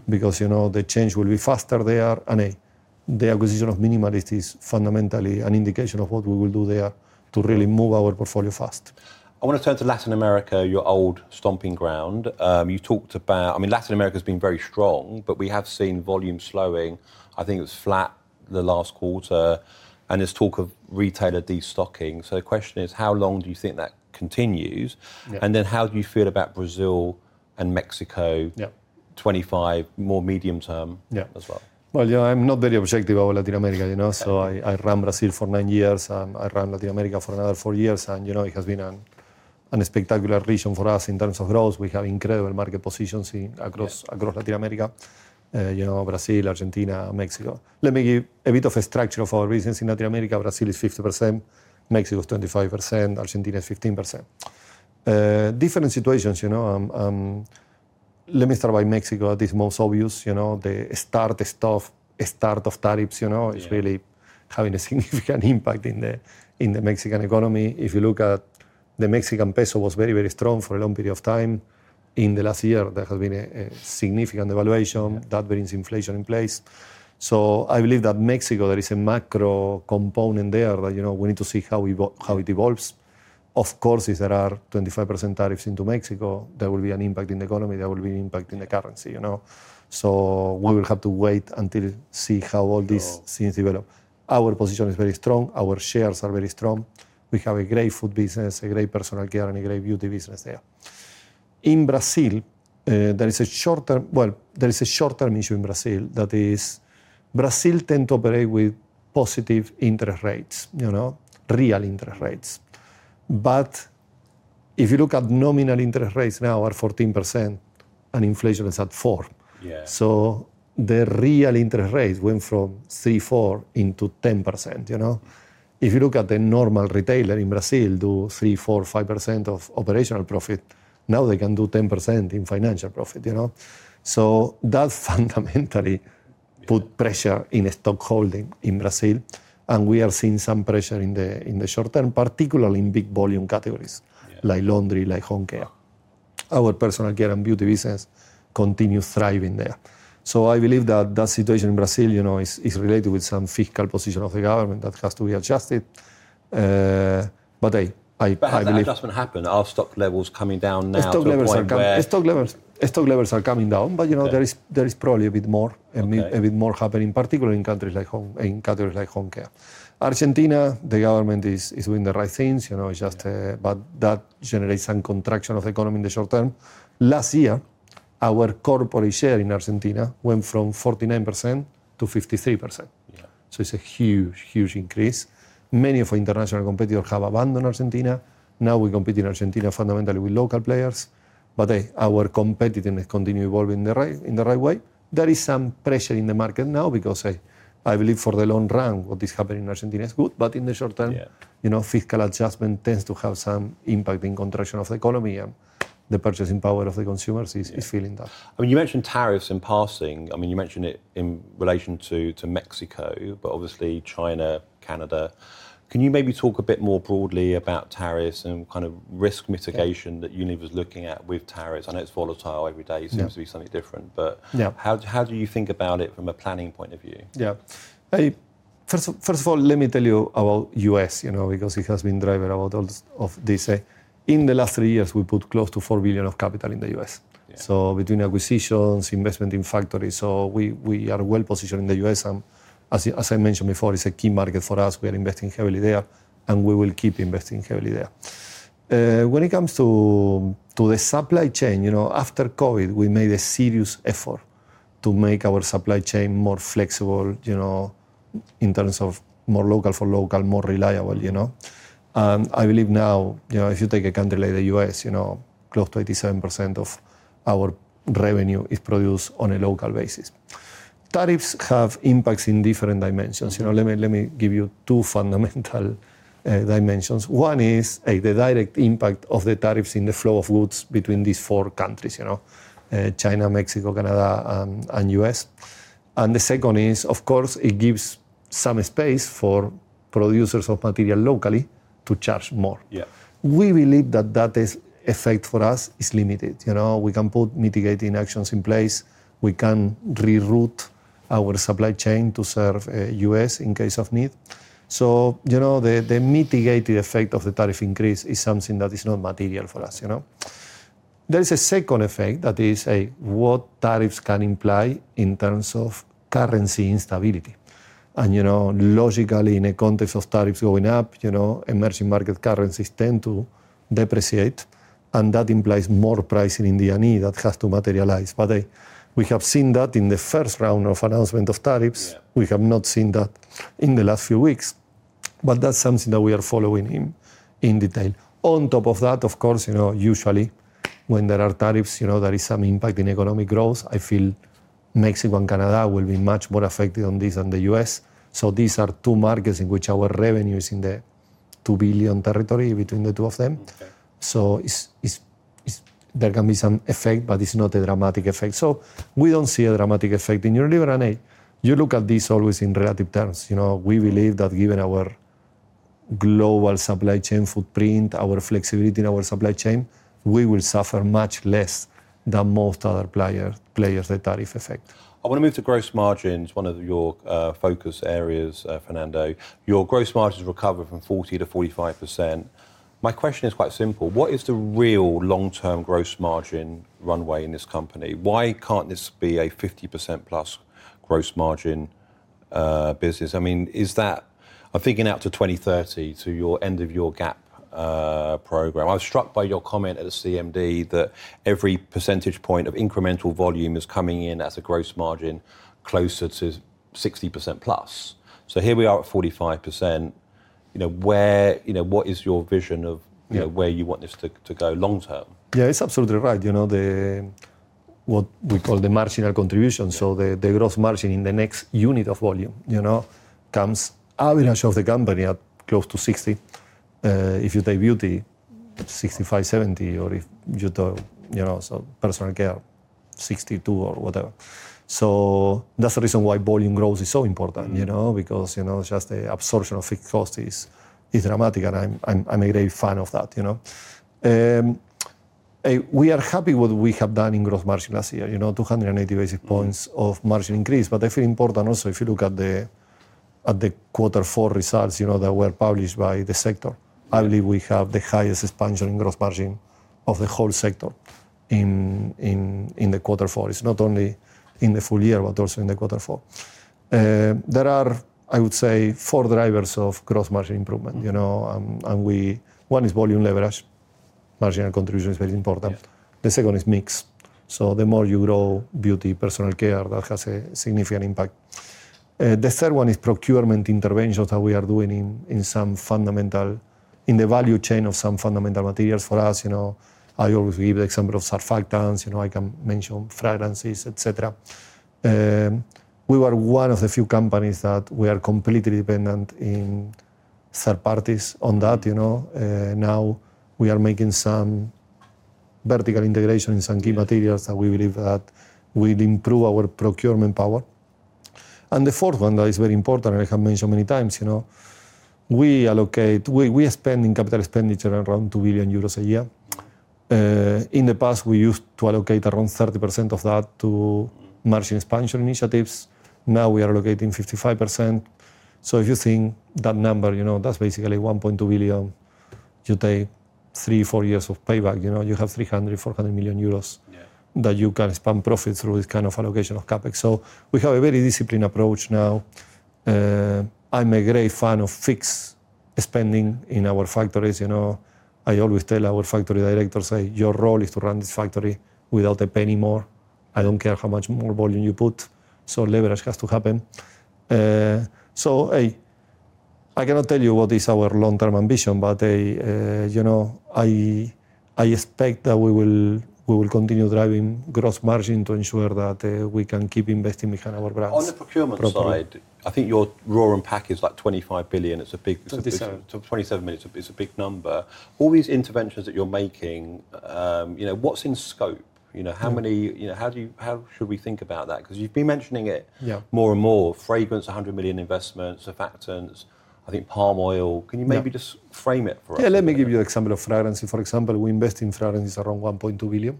because, you know, the change will be faster there. And hey, the acquisition of Minimalist is fundamentally an indication of what we will do there to really move our portfolio fast. I want to turn to Latin America, your old stomping ground. You talked about, I mean, Latin America has been very strong, but we have seen volume slowing. I think it was flat the last quarter, and there's talk of retailer destocking. So the question is, how long do you think that continues? And then how do you feel about Brazil and Mexico? 25, more medium term as well. You know, I'm not very objective about Latin America, you know. I ran Brazil for nine years. I ran Latin America for another four years. You know, it has been a spectacular region for us in terms of growth. We have incredible market positions across Latin America, you know, Brazil, Argentina, Mexico. Let me give a bit of a structure of our business in Latin America. Brazil is 50%. Mexico is 25%. Argentina is 15%. Different situations, you know. Let me start by Mexico. This is most obvious, you know. The tariff stuff, tariffs, you know, is really having a significant impact in the Mexican economy. If you look at the Mexican peso, it was very, very strong for a long period of time. In the last year, there has been a significant devaluation that brings inflation in place. I believe that Mexico, there is a macro component there that, you know, we need to see how it evolves. Of course, if there are 25% tariffs into Mexico, there will be an impact in the economy. There will be an impact in the currency, you know. So we will have to wait until see how all these things develop. Our position is very strong. Our shares are very strong. We have a great food business, a great personal care, and a great beauty business there. In Brazil, there is a short-term, well, there is a short-term issue in Brazil that is Brazil tends to operate with positive interest rates, you know, real interest rates. But if you look at nominal interest rates now, they are 14% and inflation is at 4%. So the real interest rate went from 3% to 4% into 10%, you know. If you look at the normal retailer in Brazil do 3%, 4%, 5% of operational profit, now they can do 10% in financial profit, you know. So that fundamentally put pressure in stock holding in Brazil. And we are seeing some pressure in the short-term, particularly in big volume categories like laundry, like Home Care. Our personal care and beauty business continues thriving there. So I believe that that situation in Brazil, you know, is related with some fiscal position of the government that has to be adjusted. But hey, I believe. That's what happened. Our stock levels coming down now. Stock levels are coming down. Stock levels are coming down, but you know, there is probably a bit more, a bit more happening, particularly in categories like Home Care. Argentina, the government is doing the right things, you know. It's just, but that generates some contraction of the economy in the short-term. Last year, our market share in Argentina went from 49% to 53%. So it's a huge, huge increase. Many of our international competitors have abandoned Argentina. Now we compete in Argentina fundamentally with local players. But hey, our competitiveness continues evolving in the right way. There is some pressure in the market now because I believe for the long run, what is happening in Argentina is good. But in the short-term, you know, fiscal adjustment tends to have some impact in contraction of the economy, and the purchasing power of the consumers is feeling that. I mean, you mentioned tariffs in passing. I mean, you mentioned it in relation to Mexico, but obviously China, Canada. Can you maybe talk a bit more broadly about tariffs and kind of risk mitigation that Unilever is looking at with tariffs? I know it's volatile every day. It seems to be something different. But how do you think about it from a planning point of view? Yeah. First of all, let me tell you about the US, you know, because it has been the driver of this. In the last three years, we put close to $4 billion of capital in the US. So between acquisitions, investment in factories. So we are well positioned in the US. And as I mentioned before, it's a key market for us. We are investing heavily there. And we will keep investing heavily there. When it comes to the supply chain, you know, after COVID, we made a serious effort to make our supply chain more flexible, you know, in terms of more local for local, more reliable, you know. And I believe now, you know, if you take a country like the US., you know, close to 87% of our revenue is produced on a local basis. Tariffs have impacts in different dimensions. You know, let me give you two fundamental dimensions. One is the direct impact of the tariffs in the flow of goods between these four countries, you know, China, Mexico, Canada, and US. And the second is, of course, it gives some space for producers of material locally to charge more. We believe that that effect for us is limited. You know, we can put mitigating actions in place. We can reroute our supply chain to serve the US. in case of need. So, you know, the mitigated effect of the tariff increase is something that is not material for us, you know. There is a second effect that is what tariffs can imply in terms of currency instability. And, you know, logically, in a context of tariffs going up, you know, emerging market currencies tend to depreciate. And that implies more pricing in the year that has to materialize. But we have seen that in the first round of announcement of tariffs. We have not seen that in the last few weeks. But that's something that we are following in detail. On top of that, of course, you know, usually when there are tariffs, you know, there is some impact in economic growth. I feel Mexico and Canada will be much more affected on this than the US. So these are two markets in which our revenue is in the 2 billion territory between the two of them. So there can be some effect, but it's not a dramatic effect. So we don't see a dramatic effect in Unilever. And hey, you look at this always in relative terms. You know, we believe that given our global supply chain footprint, our flexibility in our supply chain, we will suffer much less than most other players' tariff effect. I want to move to gross margins, one of your focus areas, Fernando. Your gross margins recover from 40% to 45%. My question is quite simple. What is the real long-term gross margin runway in this company? Why can't this be a 50% plus gross margin business? I mean, I'm thinking out to 2030, to your end of your GAP program. I was struck by your comment at the CMD that every percentage point of incremental volume is coming in as a gross margin closer to 60% plus. So here we are at 45%. You know, you know, what is your vision of where you want this to go long-term? Yeah, it's absolutely right. You know, what we call the marginal contribution. So the gross margin in the next unit of volume, you know, comes average of the company at close to 60. If you take beauty, 65, 70, or if you do, you know, so personal care, 62 or whatever. So that's the reason why volume growth is so important, you know, because, you know, just the absorption of fixed costs is dramatic. And I'm a great fan of that, you know. We are happy with what we have done in gross margin last year, you know, 280 basis points of margin increase. But I feel important also if you look at the quarter four results, you know, that were published by the sector. I believe we have the highest expansion in gross margin of the whole sector in the Q4. It's not only in the full year, but also in the quarter four. There are, I would say, four drivers of gross margin improvement, you know. And one is volume leverage. Marginal contribution is very important. The second is mix. So the more you grow Beauty, Personal Care, that has a significant impact. The third one is procurement interventions that we are doing in some fundamental, in the value chain of some fundamental materials for us, you know. I always give the example of surfactants, you know. I can mention fragrances, etc. We were one of the few companies that we are completely dependent on third parties on that, you know. Now we are making some vertical integration in some key materials that we believe that will improve our procurement power. And the fourth one that is very important, and I have mentioned many times, you know, we allocate. We are spending capital expenditure around 2 billion euros a year. In the past, we used to allocate around 30% of that to margin expansion initiatives. Now we are allocating 55%. So if you think that number, you know, that's basically 1.2 billion. You take 3-4 years of payback, you know, you have 300 million euros to 400 million that you can spend profit through this kind of allocation of CapEx. So we have a very disciplined approach now. I'm a great fan of fixed spending in our factories, you know. I always tell our factory directors, hey, your role is to run this factory without a penny more. I don't care how much more volume you put. So leverage has to happen. Hey, I cannot tell you what is our long-term ambition, but hey, you know, I expect that we will continue driving gross margin to ensure that we can keep investing behind our brands. On the procurement side, I think your Raw & Pack is like 25 billion. It's a big 27 million. It's a big number. All these interventions that you're making, you know, what's in scope? You know, how many, you know, how should we think about that? Because you've been mentioning it more and more. Fragrance, 100 million investments, surfactants. I think palm oil. Can you maybe just frame it for us? Yeah, let me give you an example of fragrance. For example, we invest in fragrances around 1.2 billion.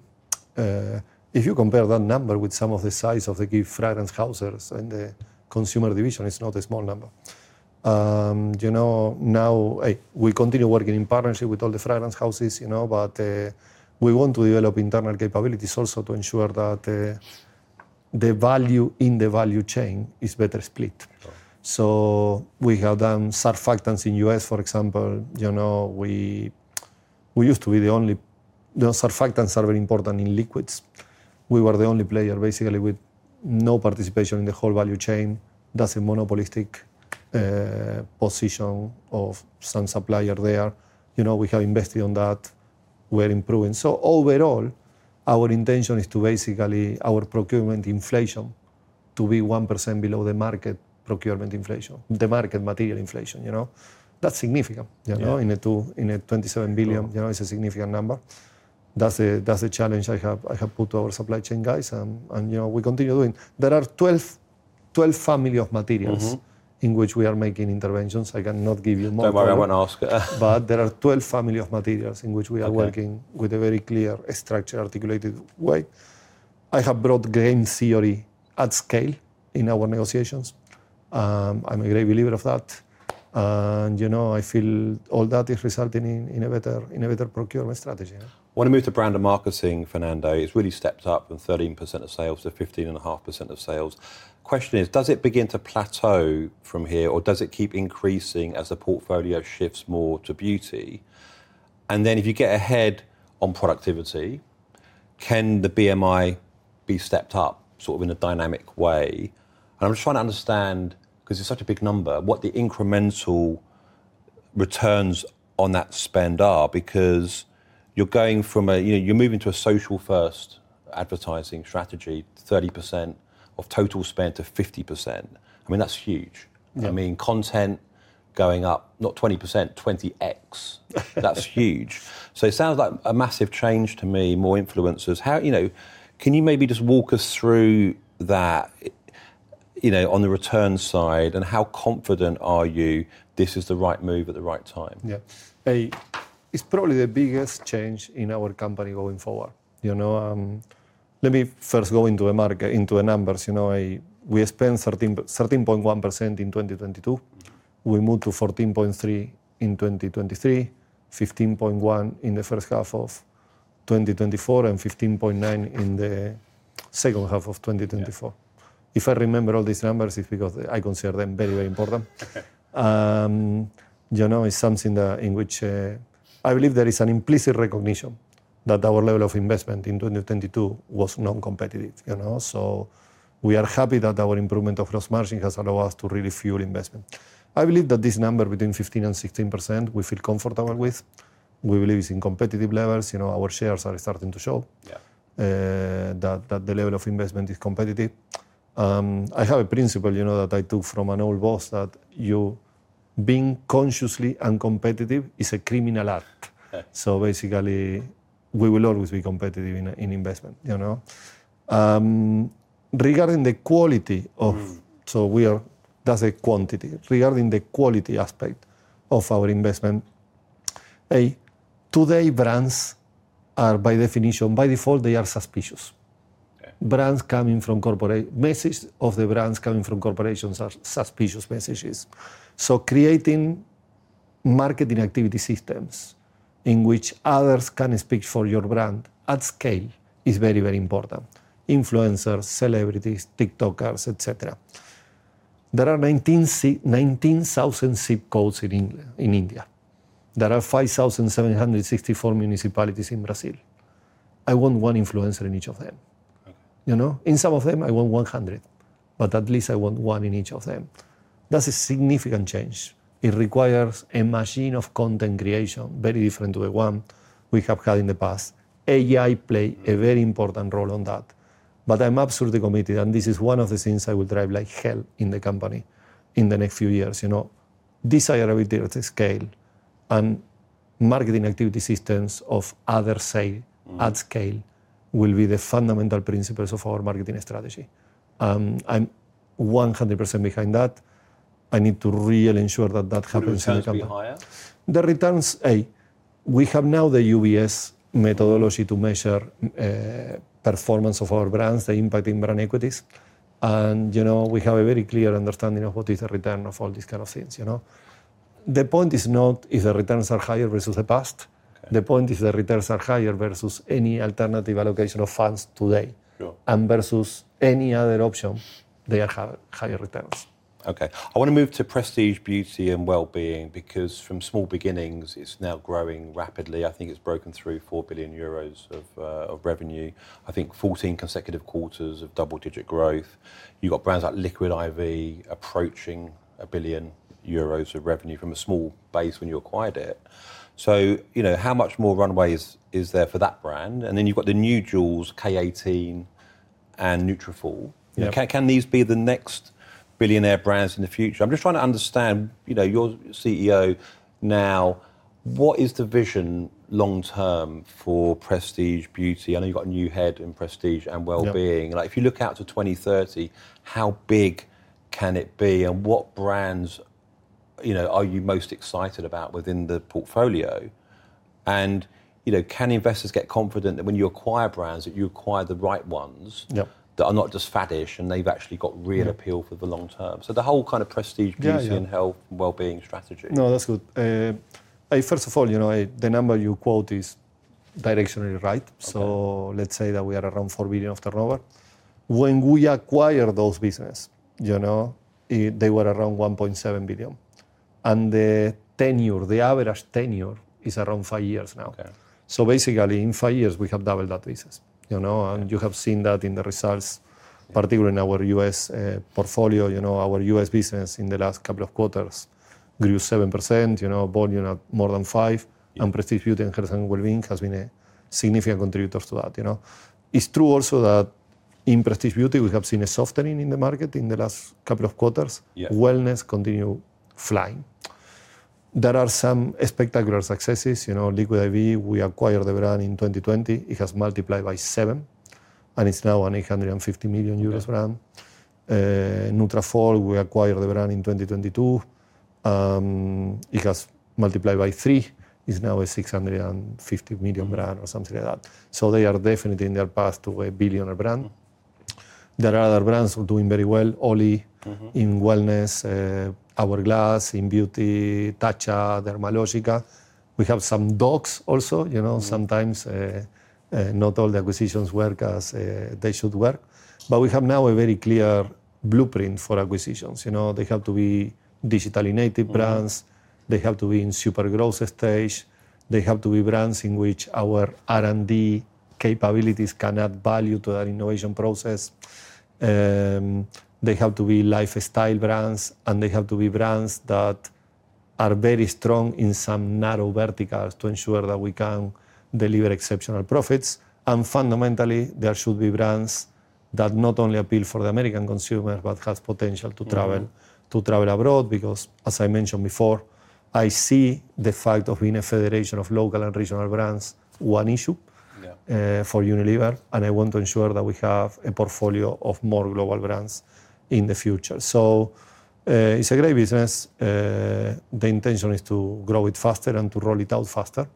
If you compare that number with some of the size of the key fragrance houses in the consumer division, it's not a small number. You know, now we continue working in partnership with all the fragrance houses, you know, but we want to develop internal capabilities also to ensure that the value in the value chain is better split. So we have done surfactants in the US., for example. You know, we used to be the only, you know, surfactants are very important in liquids. We were the only player basically with no participation in the whole value chain. That's a monopolistic position of some supplier there. You know, we have invested on that. We're improving. So overall, our intention is to basically our procurement inflation to be 1% below the market procurement inflation, the market material inflation, you know. That's significant, you know, in a 27 billion, you know, it's a significant number. That's the challenge I have put to our supply chain guys, and, you know, we continue doing. There are 12 families of materials in which we are making interventions. I cannot give you more. Don't worry, I won't ask. But there are 12 families of materials in which we are working with a very clear, structured, articulated way. I have brought game theory at scale in our negotiations. I'm a great believer of that. And, you know, I feel all that is resulting in a better procurement strategy. I want to move to brand and marketing, Fernando. It's really stepped up from 13% of sales to 15.5% of sales. The question is, does it begin to plateau from here or does it keep increasing as the portfolio shifts more to beauty? And then if you get ahead on productivity, can the BMI be stepped up sort of in a dynamic way? And I'm just trying to understand, because it's such a big number, what the incremental returns on that spend are, because you're going from a, you know, you're moving to a social-first advertising strategy, 30% of total spend to 50%. I mean, that's huge. I mean, content going up, not 20%, 20X. That's huge. So it sounds like a massive change to me, more influencers. How, you know, can you maybe just walk us through that, you know, on the return side and how confident are you this is the right move at the right time? Yeah. It's probably the biggest change in our company going forward. You know, let me first go into a market, into numbers. You know, we spent 13.1% in 2022. We moved to 14.3% in 2023, 15.1% in the first half of 2024, and 15.9% in the second half of 2024. If I remember all these numbers, it's because I consider them very, very important. You know, it's something in which I believe there is an implicit recognition that our level of investment in 2022 was non-competitive, you know. So we are happy that our improvement of gross margin has allowed us to really fuel investment. I believe that this number between 15% and 16% we feel comfortable with. We believe it's in competitive levels. You know, our shares are starting to show that the level of investment is competitive. I have a principle, you know, that I took from an old boss that you being consciously uncompetitive is a criminal act. So basically, we will always be competitive in investment, you know. Regarding the quality of, so we are, that's a quantity. Regarding the quality aspect of our investment, hey, today brands are by definition, by default, they are suspicious. Brands coming from corporation, messages of the brands coming from corporations are suspicious messages. So creating marketing activity systems in which others can speak for your brand at scale is very, very important. Influencers, celebrities, TikTokers, etc. There are 19,000 zip codes in India. There are 5,764 municipalities in Brazil. I want one influencer in each of them. You know, in some of them, I want 100, but at least I want one in each of them. That's a significant change. It requires a machine of content creation, very different to the one we have had in the past. AI played a very important role on that. But I'm absolutely committed, and this is one of the things I will drive like hell in the company in the next few years, you know. Desirability at scale and marketing activity systems of others at scale will be the fundamental principles of our marketing strategy. I'm 100% behind that. I need to really ensure that that happens in the company. The returns, hey, we have now the UBS methodology to measure performance of our brands, the impact in brand equities. And, you know, we have a very clear understanding of what is the return of all these kinds of things, you know. The point is not if the returns are higher versus the past. The point is the returns are higher versus any alternative allocation of funds today and versus any other option. They are higher returns. Okay. I want to move to Prestige Beauty, and Wellbeing because from small beginnings, it's now growing rapidly. I think it's broken through 4 billion euros of revenue. I think 14 consecutive quarters of double-digit growth. You've got brands like Liquid I.V. approaching 1 billion euros of revenue from a small base when you acquired it. So, you know, how much more runway is there for that brand? And then you've got the new jewels, K18 and Nutrafol. Can these be the next billionaire brands in the future? I'm just trying to understand, you know, your CEO now, what is the vision long-term for prestige, beauty? I know you've got a new head in prestige and well-being. If you look out to 2030, how big can it be? And what brands, you know, are you most excited about within the portfolio? And, you know, can investors get confident that when you acquire brands, that you acquire the right ones that are not just faddish and they've actually got real appeal for the long term? So the whole kind of prestige, beauty, and health, well-being strategy. No, that's good. First of all, you know, the number you quote is directionally right. So let's say that we are around 4 billion after pro forma. When we acquired those businesses, you know, they were around 1.7 billion. And the tenure, the average tenure is around five years now. So basically, in five years, we have doubled that business, you know. And you have seen that in the results, particularly in our US portfolio, you know, our US business in the last couple of quarters grew 7%, you know, volume at more than 5%. And Prestige Beauty and Health & Wellbeing have been significant contributors to that, you know. It's true also that in Prestige Beauty, we have seen a softening in the market in the last couple of quarters. Wellness continues flying. There are some spectacular successes, you know. Liquid I.V., we acquired the brand in 2020. It has multiplied by seven. And it's now a 850 million euros brand. Nutrafol, we acquired the brand in 2022. It has multiplied by three. It's now a 650 million brand or something like that. So they are definitely in their path to a billionaire brand. There are other brands who are doing very well. OLLY in wellness, Hourglass in beauty, Tatcha, Dermalogica. We have some dogs also, you know. Sometimes not all the acquisitions work as they should work. But we have now a very clear blueprint for acquisitions, you know. They have to be digitally native brands. They have to be in super growth stage. They have to be brands in which our R&D capabilities can add value to that innovation process. They have to be lifestyle brands. And they have to be brands that are very strong in some narrow verticals to ensure that we can deliver exceptional profits. And fundamentally, there should be brands that not only appeal for the American consumer, but have potential to travel abroad because, as I mentioned before, I see the fact of being a federation of local and regional brands one issue for Unilever. And I want to ensure that we have a portfolio of more global brands in the future. So it's a great business. The intention is to grow it faster and to roll it out faster.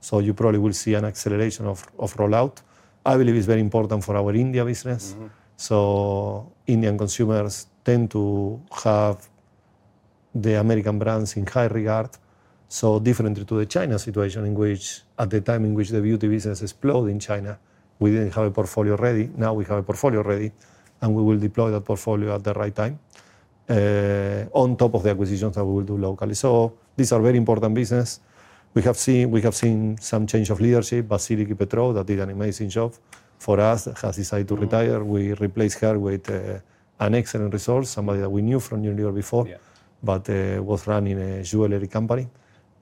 So you probably will see an acceleration of rollout. I believe it's very important for our India business. So Indian consumers tend to have the American brands in high regard. So differently to the China situation in which, at the time in which the beauty business exploded in China, we didn't have a portfolio ready. Now we have a portfolio ready. And we will deploy that portfolio at the right time on top of the acquisitions that we will do locally. So these are very important businesses. We have seen some change of leadership. Vasiliki Petrou that did an amazing job for us has decided to retire. We replaced her with an excellent resource, somebody that we knew from Unilever before, but was running a jewelry company.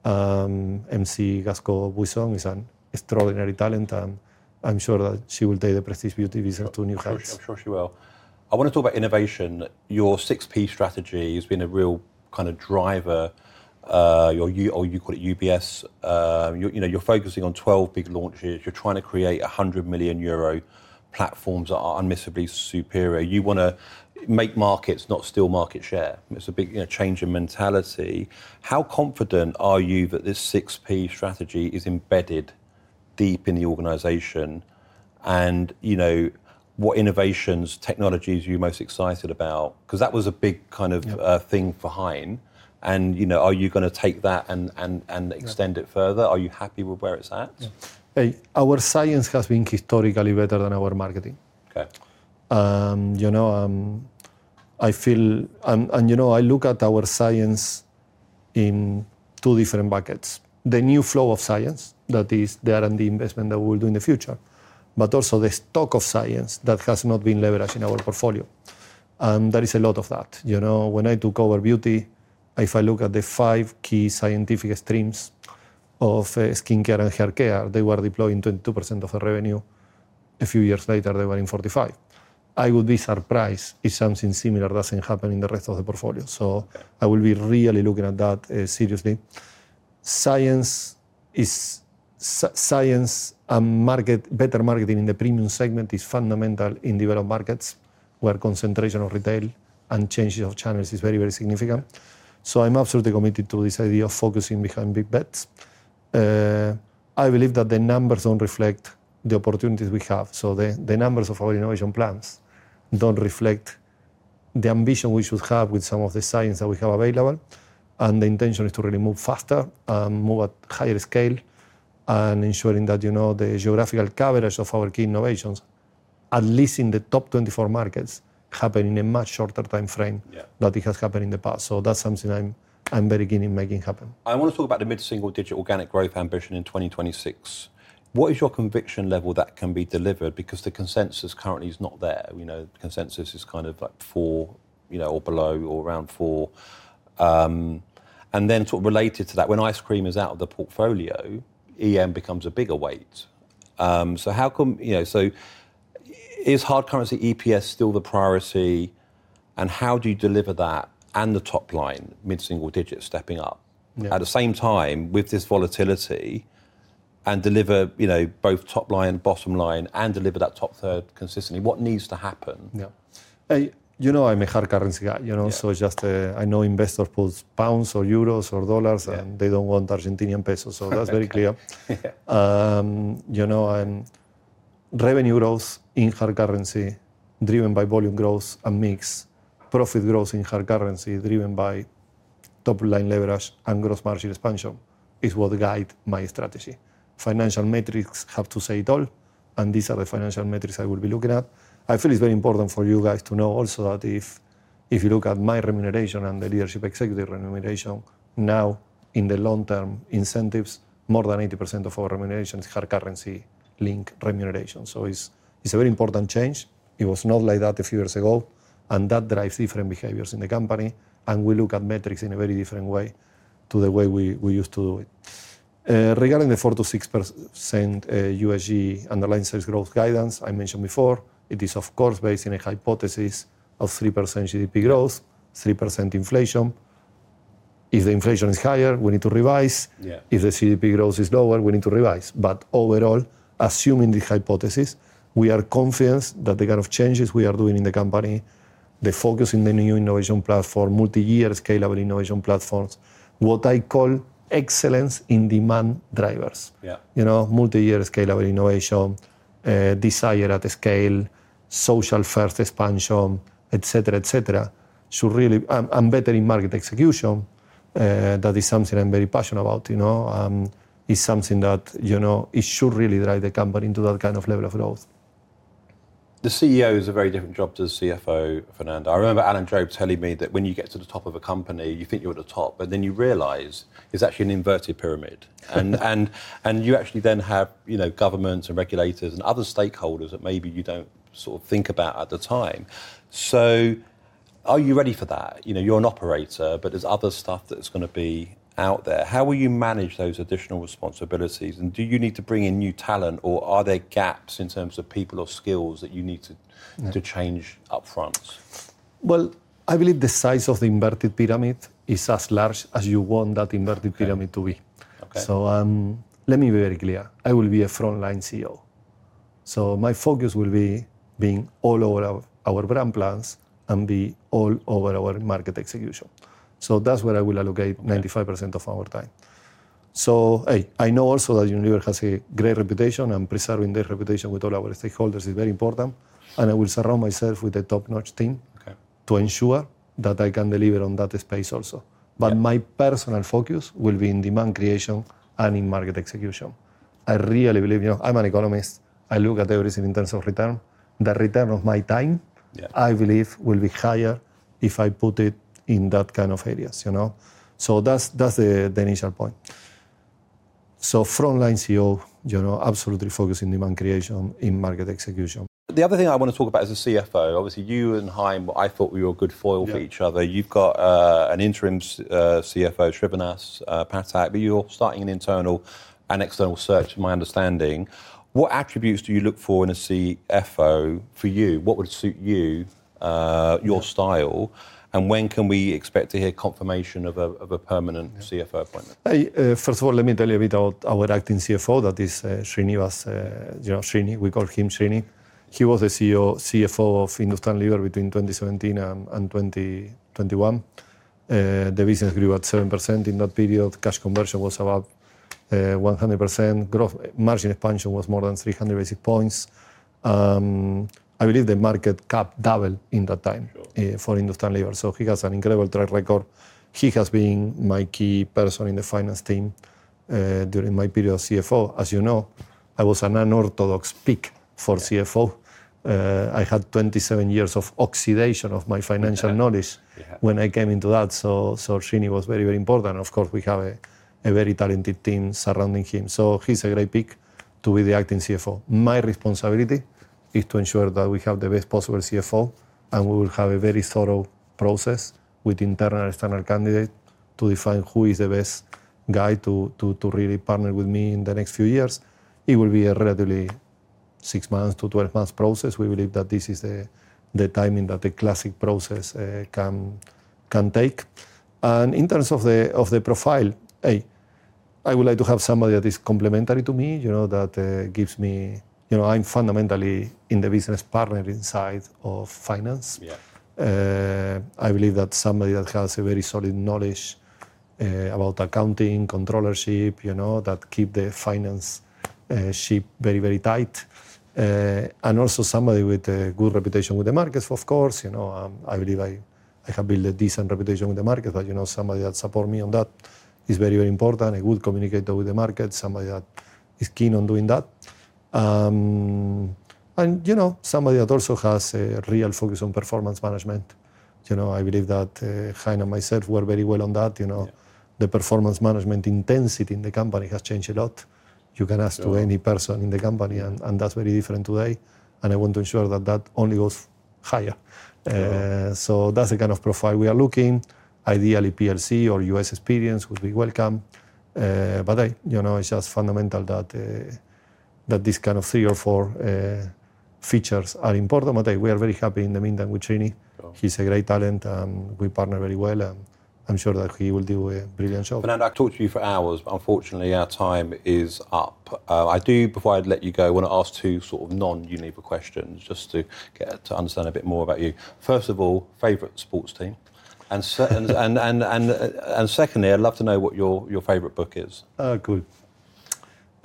MC Gasco-Buisson is an extraordinary talent. And I'm sure that she will take the Prestige Beauty business to new heights. I'm sure she will. I want to talk about innovation. Your 6P strategy has been a real kind of driver. You call it UBS. You know, you're focusing on 12 big launches. You're trying to create 100 million euro platforms that are unmissably superior. You want to make markets, not steal market share. It's a big change in mentality. How confident are you that this 6P strategy is embedded deep in the organization? And, you know, what innovations, technologies are you most excited about? Because that was a big kind of thing for Hein. And, you know, are you going to take that and extend it further? Are you happy with where it's at? Our science has been historically better than our marketing. You know, I feel, and, you know, I look at our science in two different buckets. The new flow of science, that is the R&D investment that we will do in the future, but also the stock of science that has not been leveraged in our portfolio. And there is a lot of that. You know, when I took over beauty, if I look at the five key scientific streams of skincare and hair care, they were deploying 22% of the revenue. A few years later, they were in 45%. I would be surprised if something similar doesn't happen in the rest of the portfolio. So I will be really looking at that seriously. Science and marketing, better marketing in the premium segment is fundamental in developed markets where concentration of retail and changes of channels is very, very significant. I'm absolutely committed to this idea of focusing behind big bets. I believe that the numbers don't reflect the opportunities we have. The numbers of our innovation plans don't reflect the ambition we should have with some of the science that we have available. And the intention is to really move faster and move at higher scale and ensuring that, you know, the geographical coverage of our key innovations, at least in the top 24 markets, happen in a much shorter time frame than it has happened in the past. That's something I'm very keen in making happen. I want to talk about the mid-single digit organic growth ambition in 2026. What is your conviction level that can be delivered? Because the consensus currently is not there. You know, the consensus is kind of like four, you know, or below or around four. And then sort of related to that, when ice cream is out of the portfolio, EM becomes a bigger weight. So how come, you know, so is hard currency EPS still the priority? And how do you deliver that and the top line, mid-single digit stepping up? At the same time, with this volatility and deliver, you know, both top line and bottom line and deliver that top third consistently, what needs to happen? You know, I'm a hard currency guy, you know. So, just, I know investors put pounds or euros or dollars and they don't want Argentinian pesos. So that's very clear. You know, revenue growth in hard currency driven by volume growth and mixed profit growth in hard currency driven by top line leverage and gross margin expansion is what guides my strategy. Financial metrics have to say it all, and these are the financial metrics I will be looking at. I feel it's very important for you guys to know also that if you look at my remuneration and the leadership executive remuneration now in the long-term incentives, more than 80% of our remuneration is hard currency linked remuneration. So it's a very important change. It was not like that a few years ago, and that drives different behaviors in the company. And we look at metrics in a very different way to the way we used to do it. Regarding the 4% to 6% USG underlying sales growth guidance I mentioned before, it is, of course, based on a hypothesis of 3% GDP growth, 3% inflation. If the inflation is higher, we need to revise. If the GDP growth is lower, we need to revise. But overall, assuming the hypothesis, we are confident that the kind of changes we are doing in the company, the focus in the new innovation platform, multi-year scalable innovation platforms, what I call excellence in demand drivers, you know, multi-year scalable innovation, delivery at scale, social first expansion, etc., etc., should really aim better in market execution. That is something I'm very passionate about, you know. It's something that, you know, it should really drive the company into that kind of level of growth. The CEO is a very different job to the CFO, Fernando. I remember Alan Jope telling me that when you get to the top of a company, you think you're at the top, but then you realize it's actually an inverted pyramid. And you actually then have, you know, governments and regulators and other stakeholders that maybe you don't sort of think about at the time. So are you ready for that? You know, you're an operator, but there's other stuff that's going to be out there. How will you manage those additional responsibilities? And do you need to bring in new talent or are there gaps in terms of people or skills that you need to change upfront? I believe the size of the inverted pyramid is as large as you want that inverted pyramid to be. So let me be very clear. I will be a frontline CEO. So my focus will be being all over our brand plans and be all over our market execution. So that's where I will allocate 95% of our time. So I know also that Unilever has a great reputation and preserving that reputation with all our stakeholders is very important. And I will surround myself with the top-notch team to ensure that I can deliver on that space also. But my personal focus will be in demand creation and in market execution. I really believe, you know, I'm an economist. I look at everything in terms of return. The return of my time, I believe, will be higher if I put it in that kind of areas, you know. So that's the initial point. So frontline CEO, you know, absolutely focusing demand creation in market execution. The other thing I want to talk about as a CFO, obviously you and Hein. I thought we were good foil for each other. You've got an interim CFO, Srinivas Phatak, but you're starting an internal and external search, my understanding. What attributes do you look for in a CFO for you? What would suit you, your style? And when can we expect to hear confirmation of a permanent CFO appointment? First of all, let me tell you a bit about our Acting CFO, that is Srinivas. You know, Srini, we call him Srini. He was the CEO, CFO of Hindustan Unilever between 2017 and 2021. The business grew at 7% in that period. Cash conversion was about 100%. Margin expansion was more than 300 basis points. I believe the market cap doubled in that time for Hindustan Unilever. So he has an incredible track record. He has been my key person in the finance team during my period as CFO. As you know, I was an unorthodox pick for CFO. I had 27 years of erosion of my financial knowledge when I came into that. So Srini was very, very important. Of course, we have a very talented team surrounding him. So he's a great pick to be the Acting CFO. My responsibility is to ensure that we have the best possible CFO, and we will have a very thorough process with internal and external candidates to define who is the best guy to really partner with me in the next few years. It will be a relatively six months to 12 months process. We believe that this is the timing that the classic process can take. In terms of the profile, I would like to have somebody that is complementary to me, you know, that gives me, you know, I'm fundamentally in the business partnering side of finance. I believe that somebody that has a very solid knowledge about accounting, controllership, you know, that keeps the finance ship very, very tight. And also somebody with a good reputation with the markets, of course. You know, I believe I have built a decent reputation with the markets. but, you know, somebody that supports me on that is very, very important. A good communicator with the markets, somebody that is keen on doing that. And, you know, somebody that also has a real focus on performance management. You know, I believe that Hein and myself were very well on that. You know, the performance management intensity in the company has changed a lot. You can ask any person in the company, and that's very different today. And I want to ensure that that only goes higher. So that's the kind of profile we are looking. Ideally, PLC or US experience would be welcome. But, you know, it's just fundamental that these kind of three or four features are important. But we are very happy in the meantime with Srini. He's a great talent. We partner very well. And I'm sure that he will do a brilliant job. Fernando, I've talked to you for hours. Unfortunately, our time is up. I do, before I let you go, want to ask two sort of non-Unilever questions just to get to understand a bit more about you. First of all, favorite sports team? And secondly, I'd love to know what your favorite book is. Oh, good.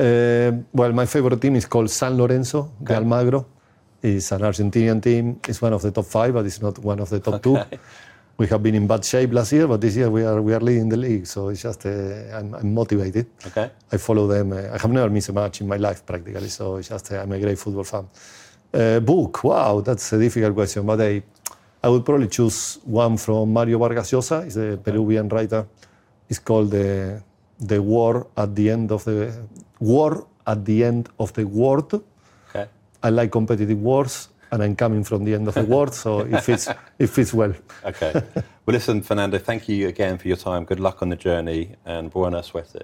Well, my favorite team is called San Lorenzo de Almagro. It's an Argentine team. It's one of the top five, but it's not one of the top two. We have been in bad shape last year, but this year we are leading the league. So it's just, I'm motivated. I follow them. I have never missed a match in my life, practically. So it's just, I'm a great football fan. Book, wow, that's a difficult question. But I would probably choose one from Mario Vargas Llosa. He's a Peruvian writer. It's called The War of the End of the World. I like competitive wars, and I'm coming from the end of the war. So it fits well. Okay, well, listen, Fernando, thank you again for your time. Good luck on the journey and buena suerte.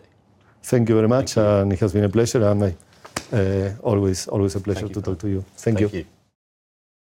Thank you very much, and it has been a pleasure, and always, always a pleasure to talk to you. Thank you. Thank you.